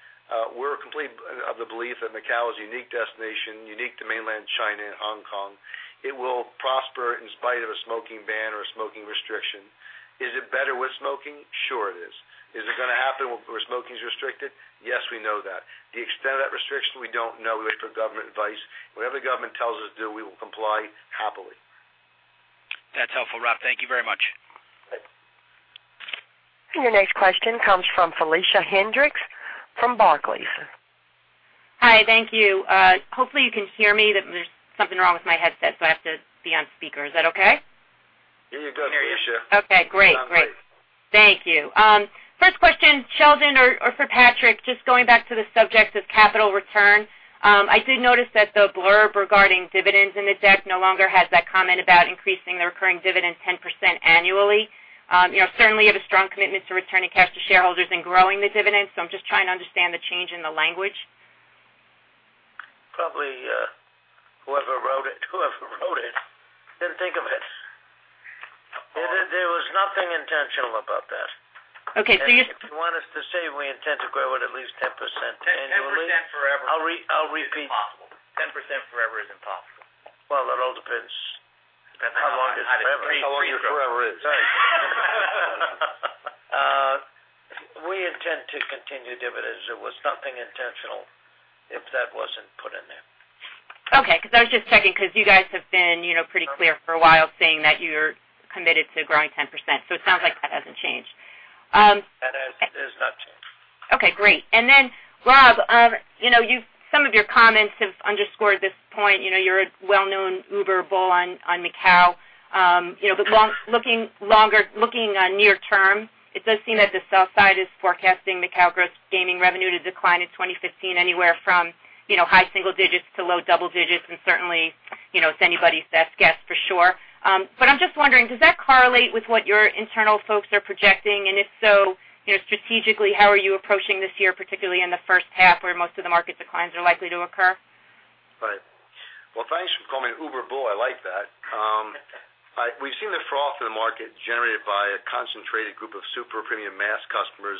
we're completely of the belief that Macau is a unique destination, unique to mainland China and Hong Kong. It will prosper in spite of a smoking ban or a smoking restriction. Is it better with smoking? Sure it is. Is it going to happen where smoking's restricted? Yes, we know that. The extent of that restriction, we don't know. We wait for government advice. Whatever the government tells us to do, we will comply happily. That's helpful, Rob. Thank you very much. Right. Your next question comes from Felicia Hendrix from Barclays. Hi, thank you. Hopefully you can hear me. There's something wrong with my headset, so I have to be on speaker. Is that okay? Yeah, you're good, Felicia. We can hear you. Okay, great. Sounds great. Thank you. First question, Sheldon or for Patrick, just going back to the subject of capital return. I did notice that the blurb regarding dividends in the deck no longer has that comment about increasing the recurring dividend 10% annually. Certainly, you have a strong commitment to returning cash to shareholders and growing the dividend. I'm just trying to understand the change in the language. Probably whoever wrote it didn't think of it. There was nothing intentional about that. Okay. If you want us to say we intend to grow it at least 10% annually- 10% forever- I'll repeat. Is impossible. 10% forever is impossible. Well, that all depends. Depends on how long is forever. How long your forever is. We intend to continue dividends. It was nothing intentional if that wasn't put in there. Okay, I was just checking, because you guys have been pretty clear for a while saying that you're committed to growing 10%. It sounds like that hasn't changed. That has not changed. Okay, great. Rob, some of your comments have underscored this point. You're a well-known uber bull on Macau. Looking near term, it does seem that the sell side is forecasting Macau gross gaming revenue to decline in 2015 anywhere from high single digits to low double digits, and certainly, it's anybody's best guess for sure. I'm just wondering, does that correlate with what your internal folks are projecting? If so, strategically, how are you approaching this year, particularly in the first half, where most of the market declines are likely to occur? Right. Well, thanks for calling me an uber bull. I like that. We've seen the froth in the market generated by a concentrated group of super premium mass customers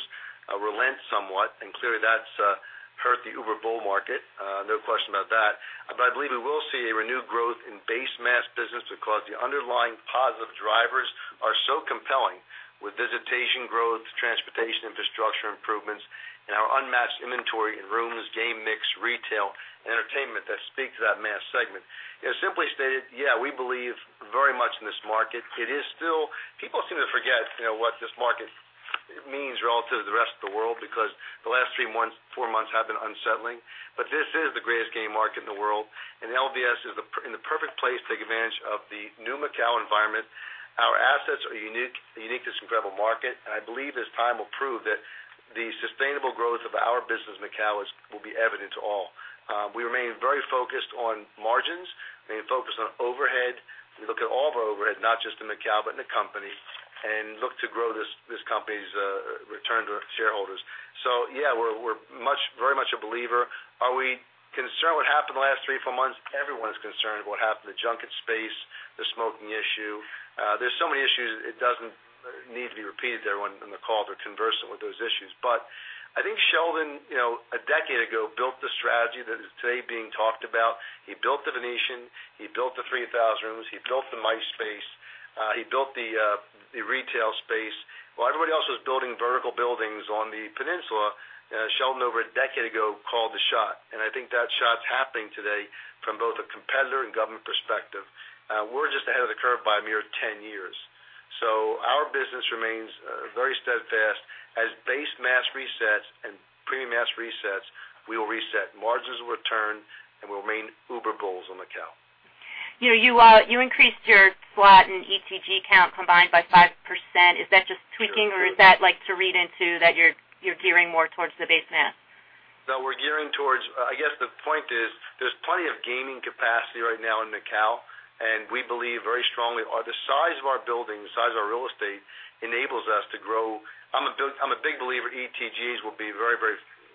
relent somewhat, and clearly, that's hurt the uber bull market. No question about that. I believe we will see a renewed growth in base mass business because the underlying positive drivers are so compelling with visitation growth, transportation infrastructure improvements, and our unmatched inventory in rooms, game mix, retail, and entertainment that speak to that mass segment. Simply stated, yeah, we believe very much in this market. People seem to forget what this market means relative to the rest of the world because the last three, four months have been unsettling. This is the greatest gaming market in the world, and LVS is in the perfect place to take advantage of the new Macau environment. Our assets are unique to this incredible market. I believe as time will prove that the sustainable growth of our business in Macau will be evident to all. We remain very focused on margins. We remain focused on overhead. We look at all of our overhead, not just in Macau but in the company, and look to grow this company's return to our shareholders. Yeah, we're very much a believer. Are we concerned what happened the last three, four months? Everyone's concerned of what happened. The junket space, the smoking issue. There's so many issues, it doesn't need to be repeated to everyone in the call. They're conversant with those issues. I think Sheldon, a decade ago, built the strategy that is today being talked about. He built the Venetian, he built the 3,000 rooms, he built the MICE space, he built the retail space. While everybody else was building vertical buildings on the peninsula, Sheldon, over a decade ago, called the shot. I think that shot's happening today from both a competitor and government perspective. We're just ahead of the curve by a mere 10 years. Our business remains very steadfast. As base mass resets and premium mass resets, we will reset. Margins will return, and we'll remain uber bulls on Macao. You increased your slot and ETG count combined by 5%. Is that just tweaking or is that like to read into that you're gearing more towards the base mass? No, we're gearing towards. I guess the point is there's plenty of gaming capacity right now in Macao. We believe very strongly the size of our building, the size of our real estate enables us to grow. I'm a big believer ETGs will be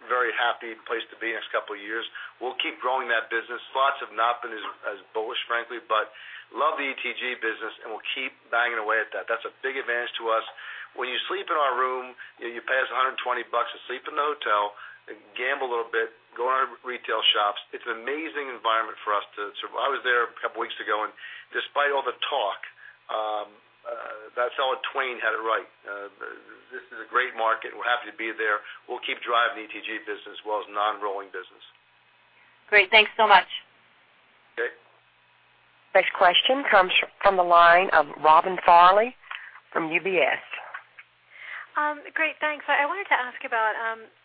very happy place to be in the next couple of years. We'll keep growing that business. Slots have not been as bullish, frankly, but love the ETG business, and we'll keep banging away at that. That's a big advantage to us. When you sleep in our room, you pay us $120 to sleep in the hotel and gamble a little bit, go in our retail shops. It's an amazing environment for us. I was there a couple of weeks ago. Despite all the talk, that fella Twain had it right. This is a great market. We're happy to be there. We'll keep driving the ETG business as well as non-rolling business. Great. Thanks so much. Okay. Next question comes from the line of Robin Farley from UBS. Great. Thanks. I wanted to ask about,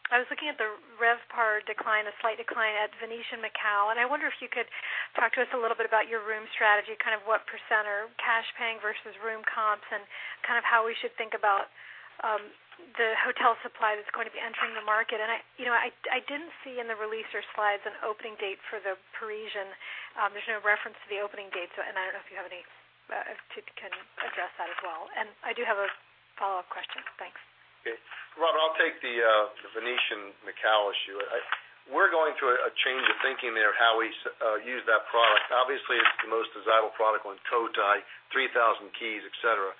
I was looking at the RevPAR decline, a slight decline at Venetian Macao, and I wonder if you could talk to us a little bit about your room strategy, kind of what % are cash paying versus room comps, and kind of how we should think about the hotel supply that's going to be entering the market. I didn't see in the release or slides an opening date for Parisian. There's no reference to the opening date, I don't know if you have any, if you can address that as well. I do have a follow-up question. Thanks. Okay. Robin, I'll take the Venetian Macao issue. We're going through a change of thinking there of how we use that product. Obviously, it's the most desirable product on Cotai, 3,000 keys, et cetera.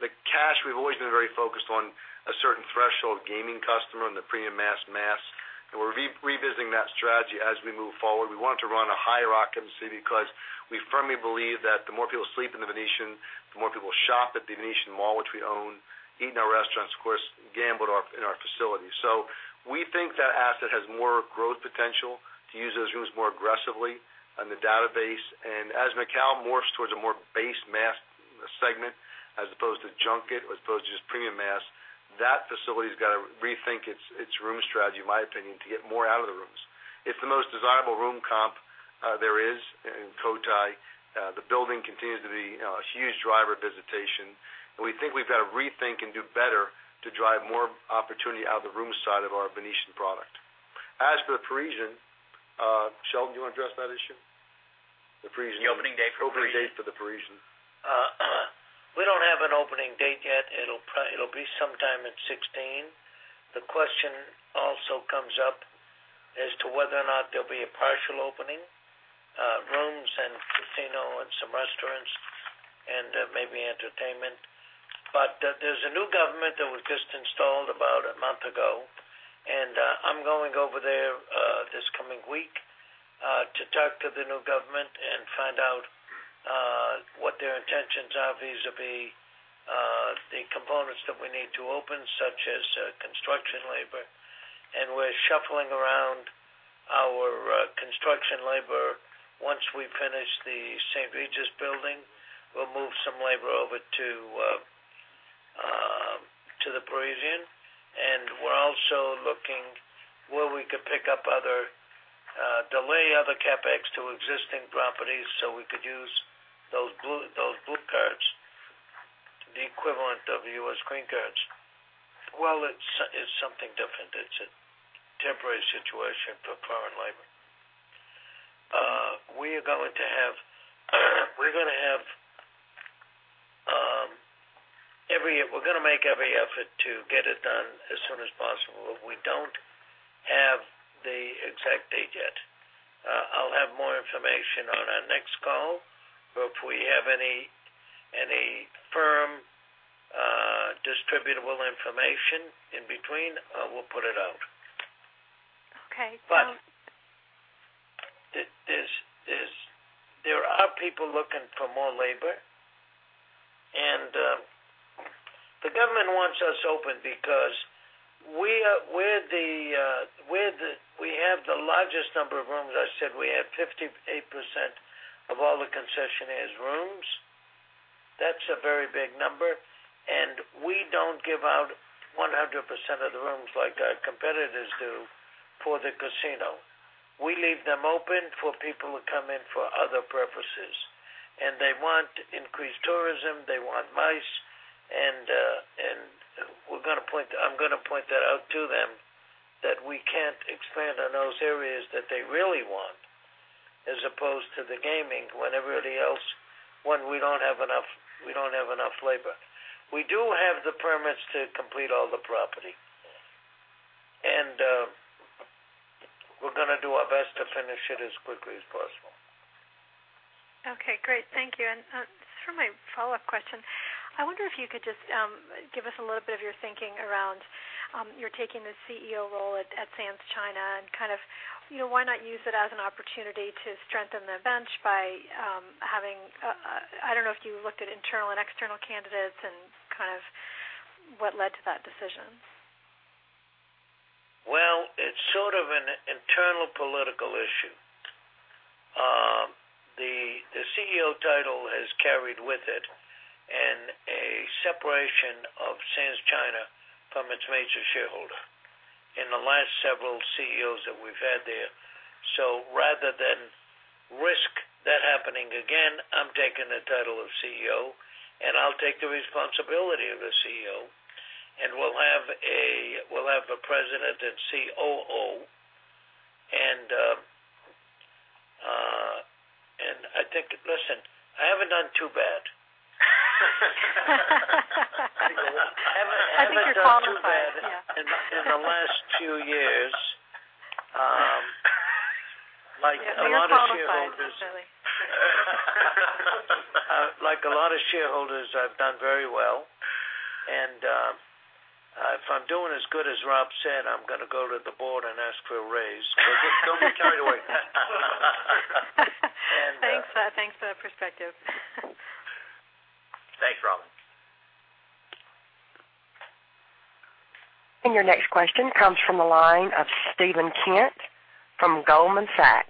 The cash, we've always been very focused on a certain threshold gaming customer on the premium mass, and we're revisiting that strategy as we move forward. We wanted to run a higher occupancy because we firmly believe that the more people sleep in the Venetian, the more people shop at the Grand Canal Shoppes, which we own, eat in our restaurants, of course, gamble in our facility. We think that asset has more growth potential to use those rooms more aggressively on the database. As Macao morphs towards a more base mass segment, as opposed to junket, as opposed to just premium mass, that facility's got to rethink its room strategy, in my opinion, to get more out of the rooms. It's the most desirable room comp there is in Cotai. The building continues to be a huge driver of visitation, and we think we've got to rethink and do better to drive more opportunity out of the room side of our Venetian product. As for The Parisian, Sheldon, do you want to address that issue? The Parisian. The opening date for The Parisian. Opening date for The Parisian. We don't have an opening date yet. It'll be sometime in 2016. The question also comes up as to whether or not there'll be a partial opening, rooms and casino and some restaurants and maybe entertainment. There's a new government that was just installed about a month ago, and I'm going over there this coming week to talk to the new government and find out what their intentions are vis-a-vis the components that we need to open, such as construction labor. We're shuffling around our construction labor. Once we finish The St. Regis building, we'll move some labor over to The Parisian. We're also looking where we could delay other CapEx to existing properties, so we could use those blue cards, the equivalent of U.S. green cards. Well, it's something different. It's a temporary situation for foreign labor. We're going to make every effort to get it done as soon as possible, we don't have the exact date yet. I'll have more information on our next call, if we have any firm distributable information in between, we'll put it out. Okay. There are people looking for more labor, the government wants us open because we have the largest number of rooms. As I said, we have 58% of all the concessionaires rooms. That's a very big number, we don't give out 100% of the rooms like our competitors do for the casino. We leave them open for people who come in for other purposes, they want increased tourism, they want MICE, I'm going to point that out to them, that we can't expand on those areas that they really want as opposed to the gaming when we don't have enough labor. We do have the permits to complete all the property. We're going to do our best to finish it as quickly as possible. Okay, great. Thank you. For my follow-up question, I wonder if you could just give us a little bit of your thinking around your taking the CEO role at Sands China, why not use it as an opportunity to strengthen the bench by having I don't know if you looked at internal and external candidates, what led to that decision? Well, it's sort of an internal political issue. The CEO title has carried with it a separation of Sands China from its major shareholder in the last several CEOs that we've had there. Rather than risk that happening again, I'm taking the title of CEO, I'll take the responsibility of the CEO, we'll have a president and COO. I think, listen, I haven't done too bad. I think you're qualified, yeah. I haven't done too bad in the last two years. You're qualified, certainly. Like a lot of shareholders, I've done very well. If I'm doing as good as Rob said, I'm going to go to the board and ask for a raise. Well, just don't get carried away. Thanks for the perspective. Thanks, Robin. Your next question comes from the line of Steven Kent from Goldman Sachs.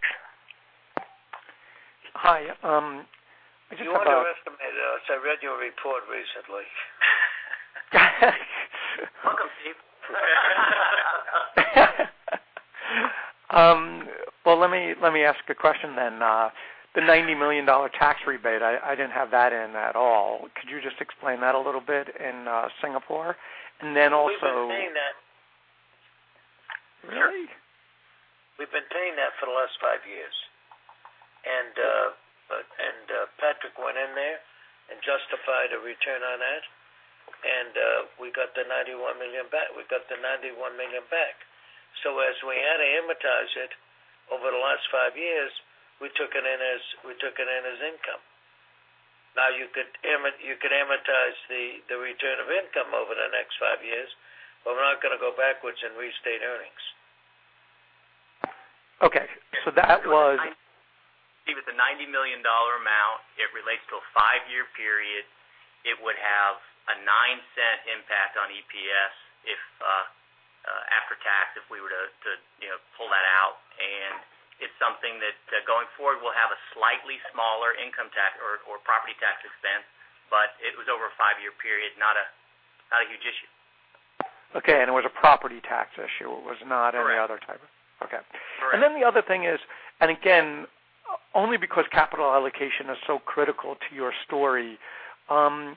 Hi. I just have. You underestimate us. I read your report recently. Welcome, Steve. Well, let me ask a question then. The $90 million tax rebate, I didn't have that in at all. Could you just explain that a little bit in Singapore? We've been paying that. Really? We've been paying that for the last five years. Patrick went in there and justified a return on that, and we got the $91 million back. As we had to amortize it over the last five years, we took it in as income. You could amortize the return of income over the next five years, we're not going to go backwards and restate earnings. Okay. It was a $90 million amount. It relates to a five-year period. It would have a $0.09 impact on EPS after tax if we were to pull that out. It's something that, going forward, will have a slightly smaller income tax or property tax expense, it was over a five-year period, not a huge issue. Okay, it was a property tax issue. It was not any other type. Correct. Okay. Correct. The other thing is, and again, only because capital allocation is so critical to your story. On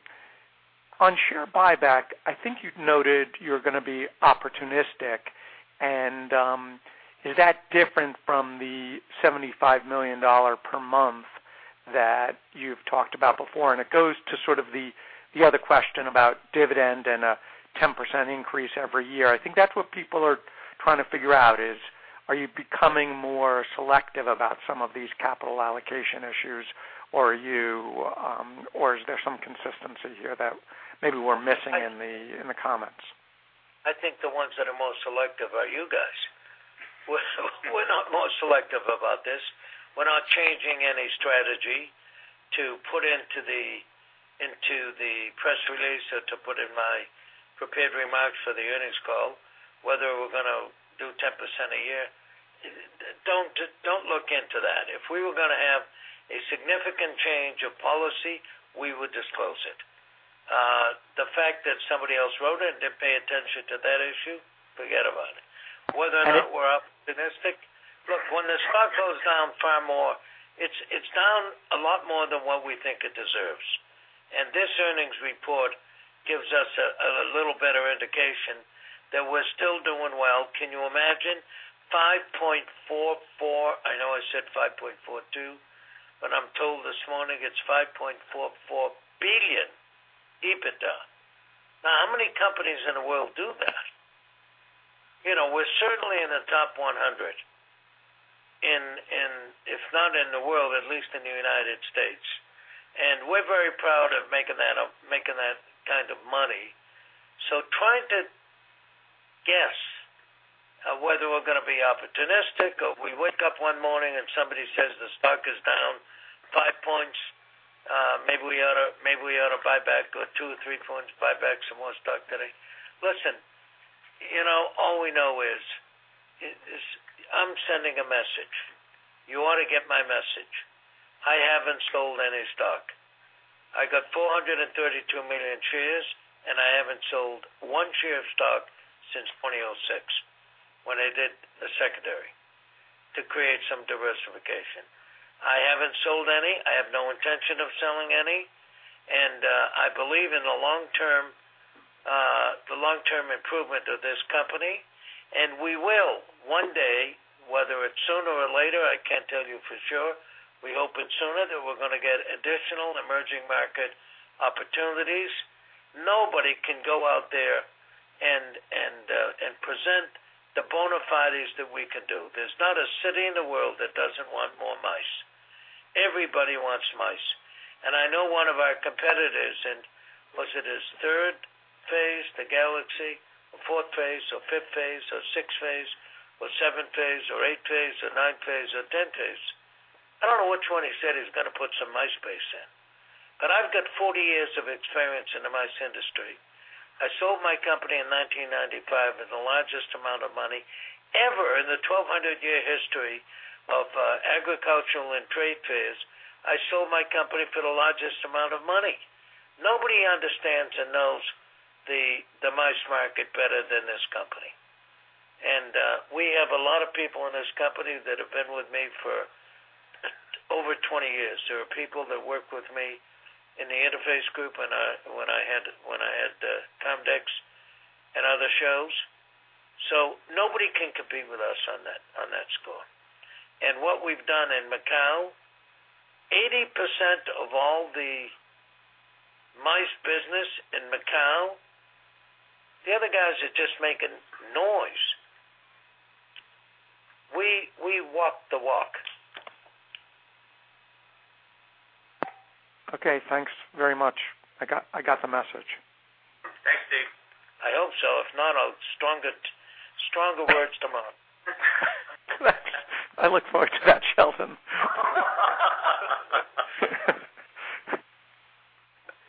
share buyback, I think you'd noted you're going to be opportunistic, and is that different from the $75 million per month that you've talked about before? It goes to sort of the other question about dividend and a 10% increase every year. I think that's what people are trying to figure out is, are you becoming more selective about some of these capital allocation issues, or is there some consistency here that maybe we're missing in the comments? I think the ones that are most selective are you guys. We're not most selective about this. We're not changing any strategy to put into the press release or to put in my prepared remarks for the earnings call, whether we're going to do 10% a year. Don't look into that. If we were going to have a significant change of policy, we would disclose it. The fact that somebody else wrote it and didn't pay attention to that issue, forget about it. Whether or not we're opportunistic, look, when the stock goes down far more, it's down a lot more than what we think it deserves. This earnings report gives us a little better indication that we're still doing well. Can you imagine $5.44 billion, I know I said $5.42 billion, but I'm told this morning it's $5.44 billion EBITDA. Now, how many companies in the world do that? We're certainly in the top 100, if not in the world, at least in the United States, and we're very proud of making that kind of money. Trying to guess whether we're going to be opportunistic or if we wake up one morning and somebody says the stock is down five points, maybe we ought to buy back or two or three points, buy back some more stock today. Listen, all we know is I'm sending a message. You ought to get my message. I haven't sold any stock. I got 432 million shares, and I haven't sold one share of stock since 2006, when I did a secondary to create some diversification. I haven't sold any. I have no intention of selling any. I believe in the long-term improvement of this company, and we will one day, whether it's sooner or later, I can't tell you for sure. We hope it's sooner, that we're going to get additional emerging market opportunities. Nobody can go out there and present the bona fides that we can do. There's not a city in the world that doesn't want more MICE. Everybody wants MICE. I know one of our competitors in, was it his phase 3, the Galaxy, or phase 4 or phase 5 or phase 6 or phase 7 or phase 8 or phase 9 or phase 10. I don't know which one he said he's going to put some MICE space in, but I've got 40 years of experience in the MICE industry. I sold my company in 1995 for the largest amount of money ever in the 1,200-year history of agricultural and trade fairs. I sold my company for the largest amount of money. Nobody understands and knows the MICE market better than this company. We have a lot of people in this company that have been with me for over 20 years. There are people that worked with me in the Interface Group when I had COMDEX and other shows, so nobody can compete with us on that score. What we've done in Macau, 80% of all the MICE business in Macau, the other guys are just making noise. We walk the walk. Okay, thanks very much. I got the message. Thanks, Steve. I hope so. If not, stronger words tomorrow. I look forward to that, Sheldon.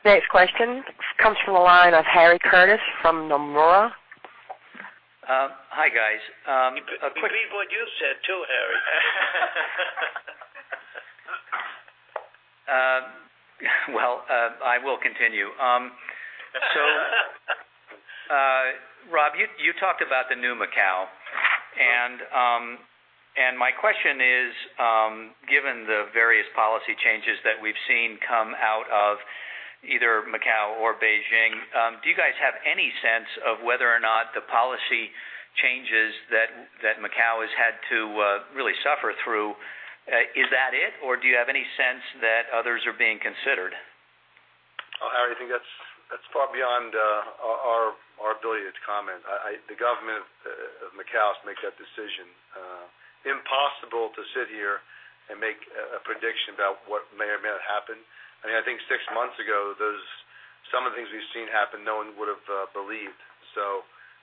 Next question comes from the line of Harry Curtis from Nomura. Hi, guys. Repeat what you said too, Harry. I will continue. Rob, you talked about the new Macau, and my question is given the various policy changes that we've seen come out of either Macau or Beijing, do you guys have any sense of whether or not the policy changes that Macau has had to really suffer through, is that it, or do you have any sense that others are being considered? Harry, I think that's far beyond our ability to comment. The government of Macau makes that decision. Impossible to sit here and make a prediction about what may or may not happen. I think six months ago, some of the things we've seen happen, no one would have believed.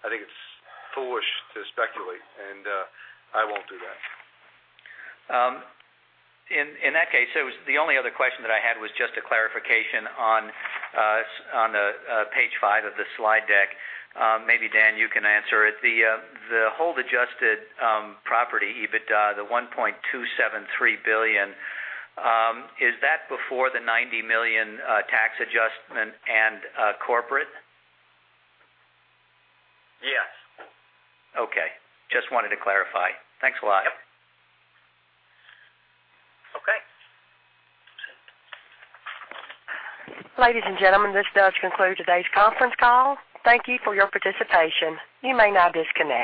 I think it's foolish to speculate, and I won't do that. In that case, the only other question that I had was just a clarification on page five of the slide deck. Maybe, Dan, you can answer it. The hold adjusted property EBITDA, the $1.273 billion, is that before the $90 million tax adjustment and corporate? Yes. Okay. Just wanted to clarify. Thanks a lot. Okay. Ladies and gentlemen, this does conclude today's conference call. Thank you for your participation. You may now disconnect.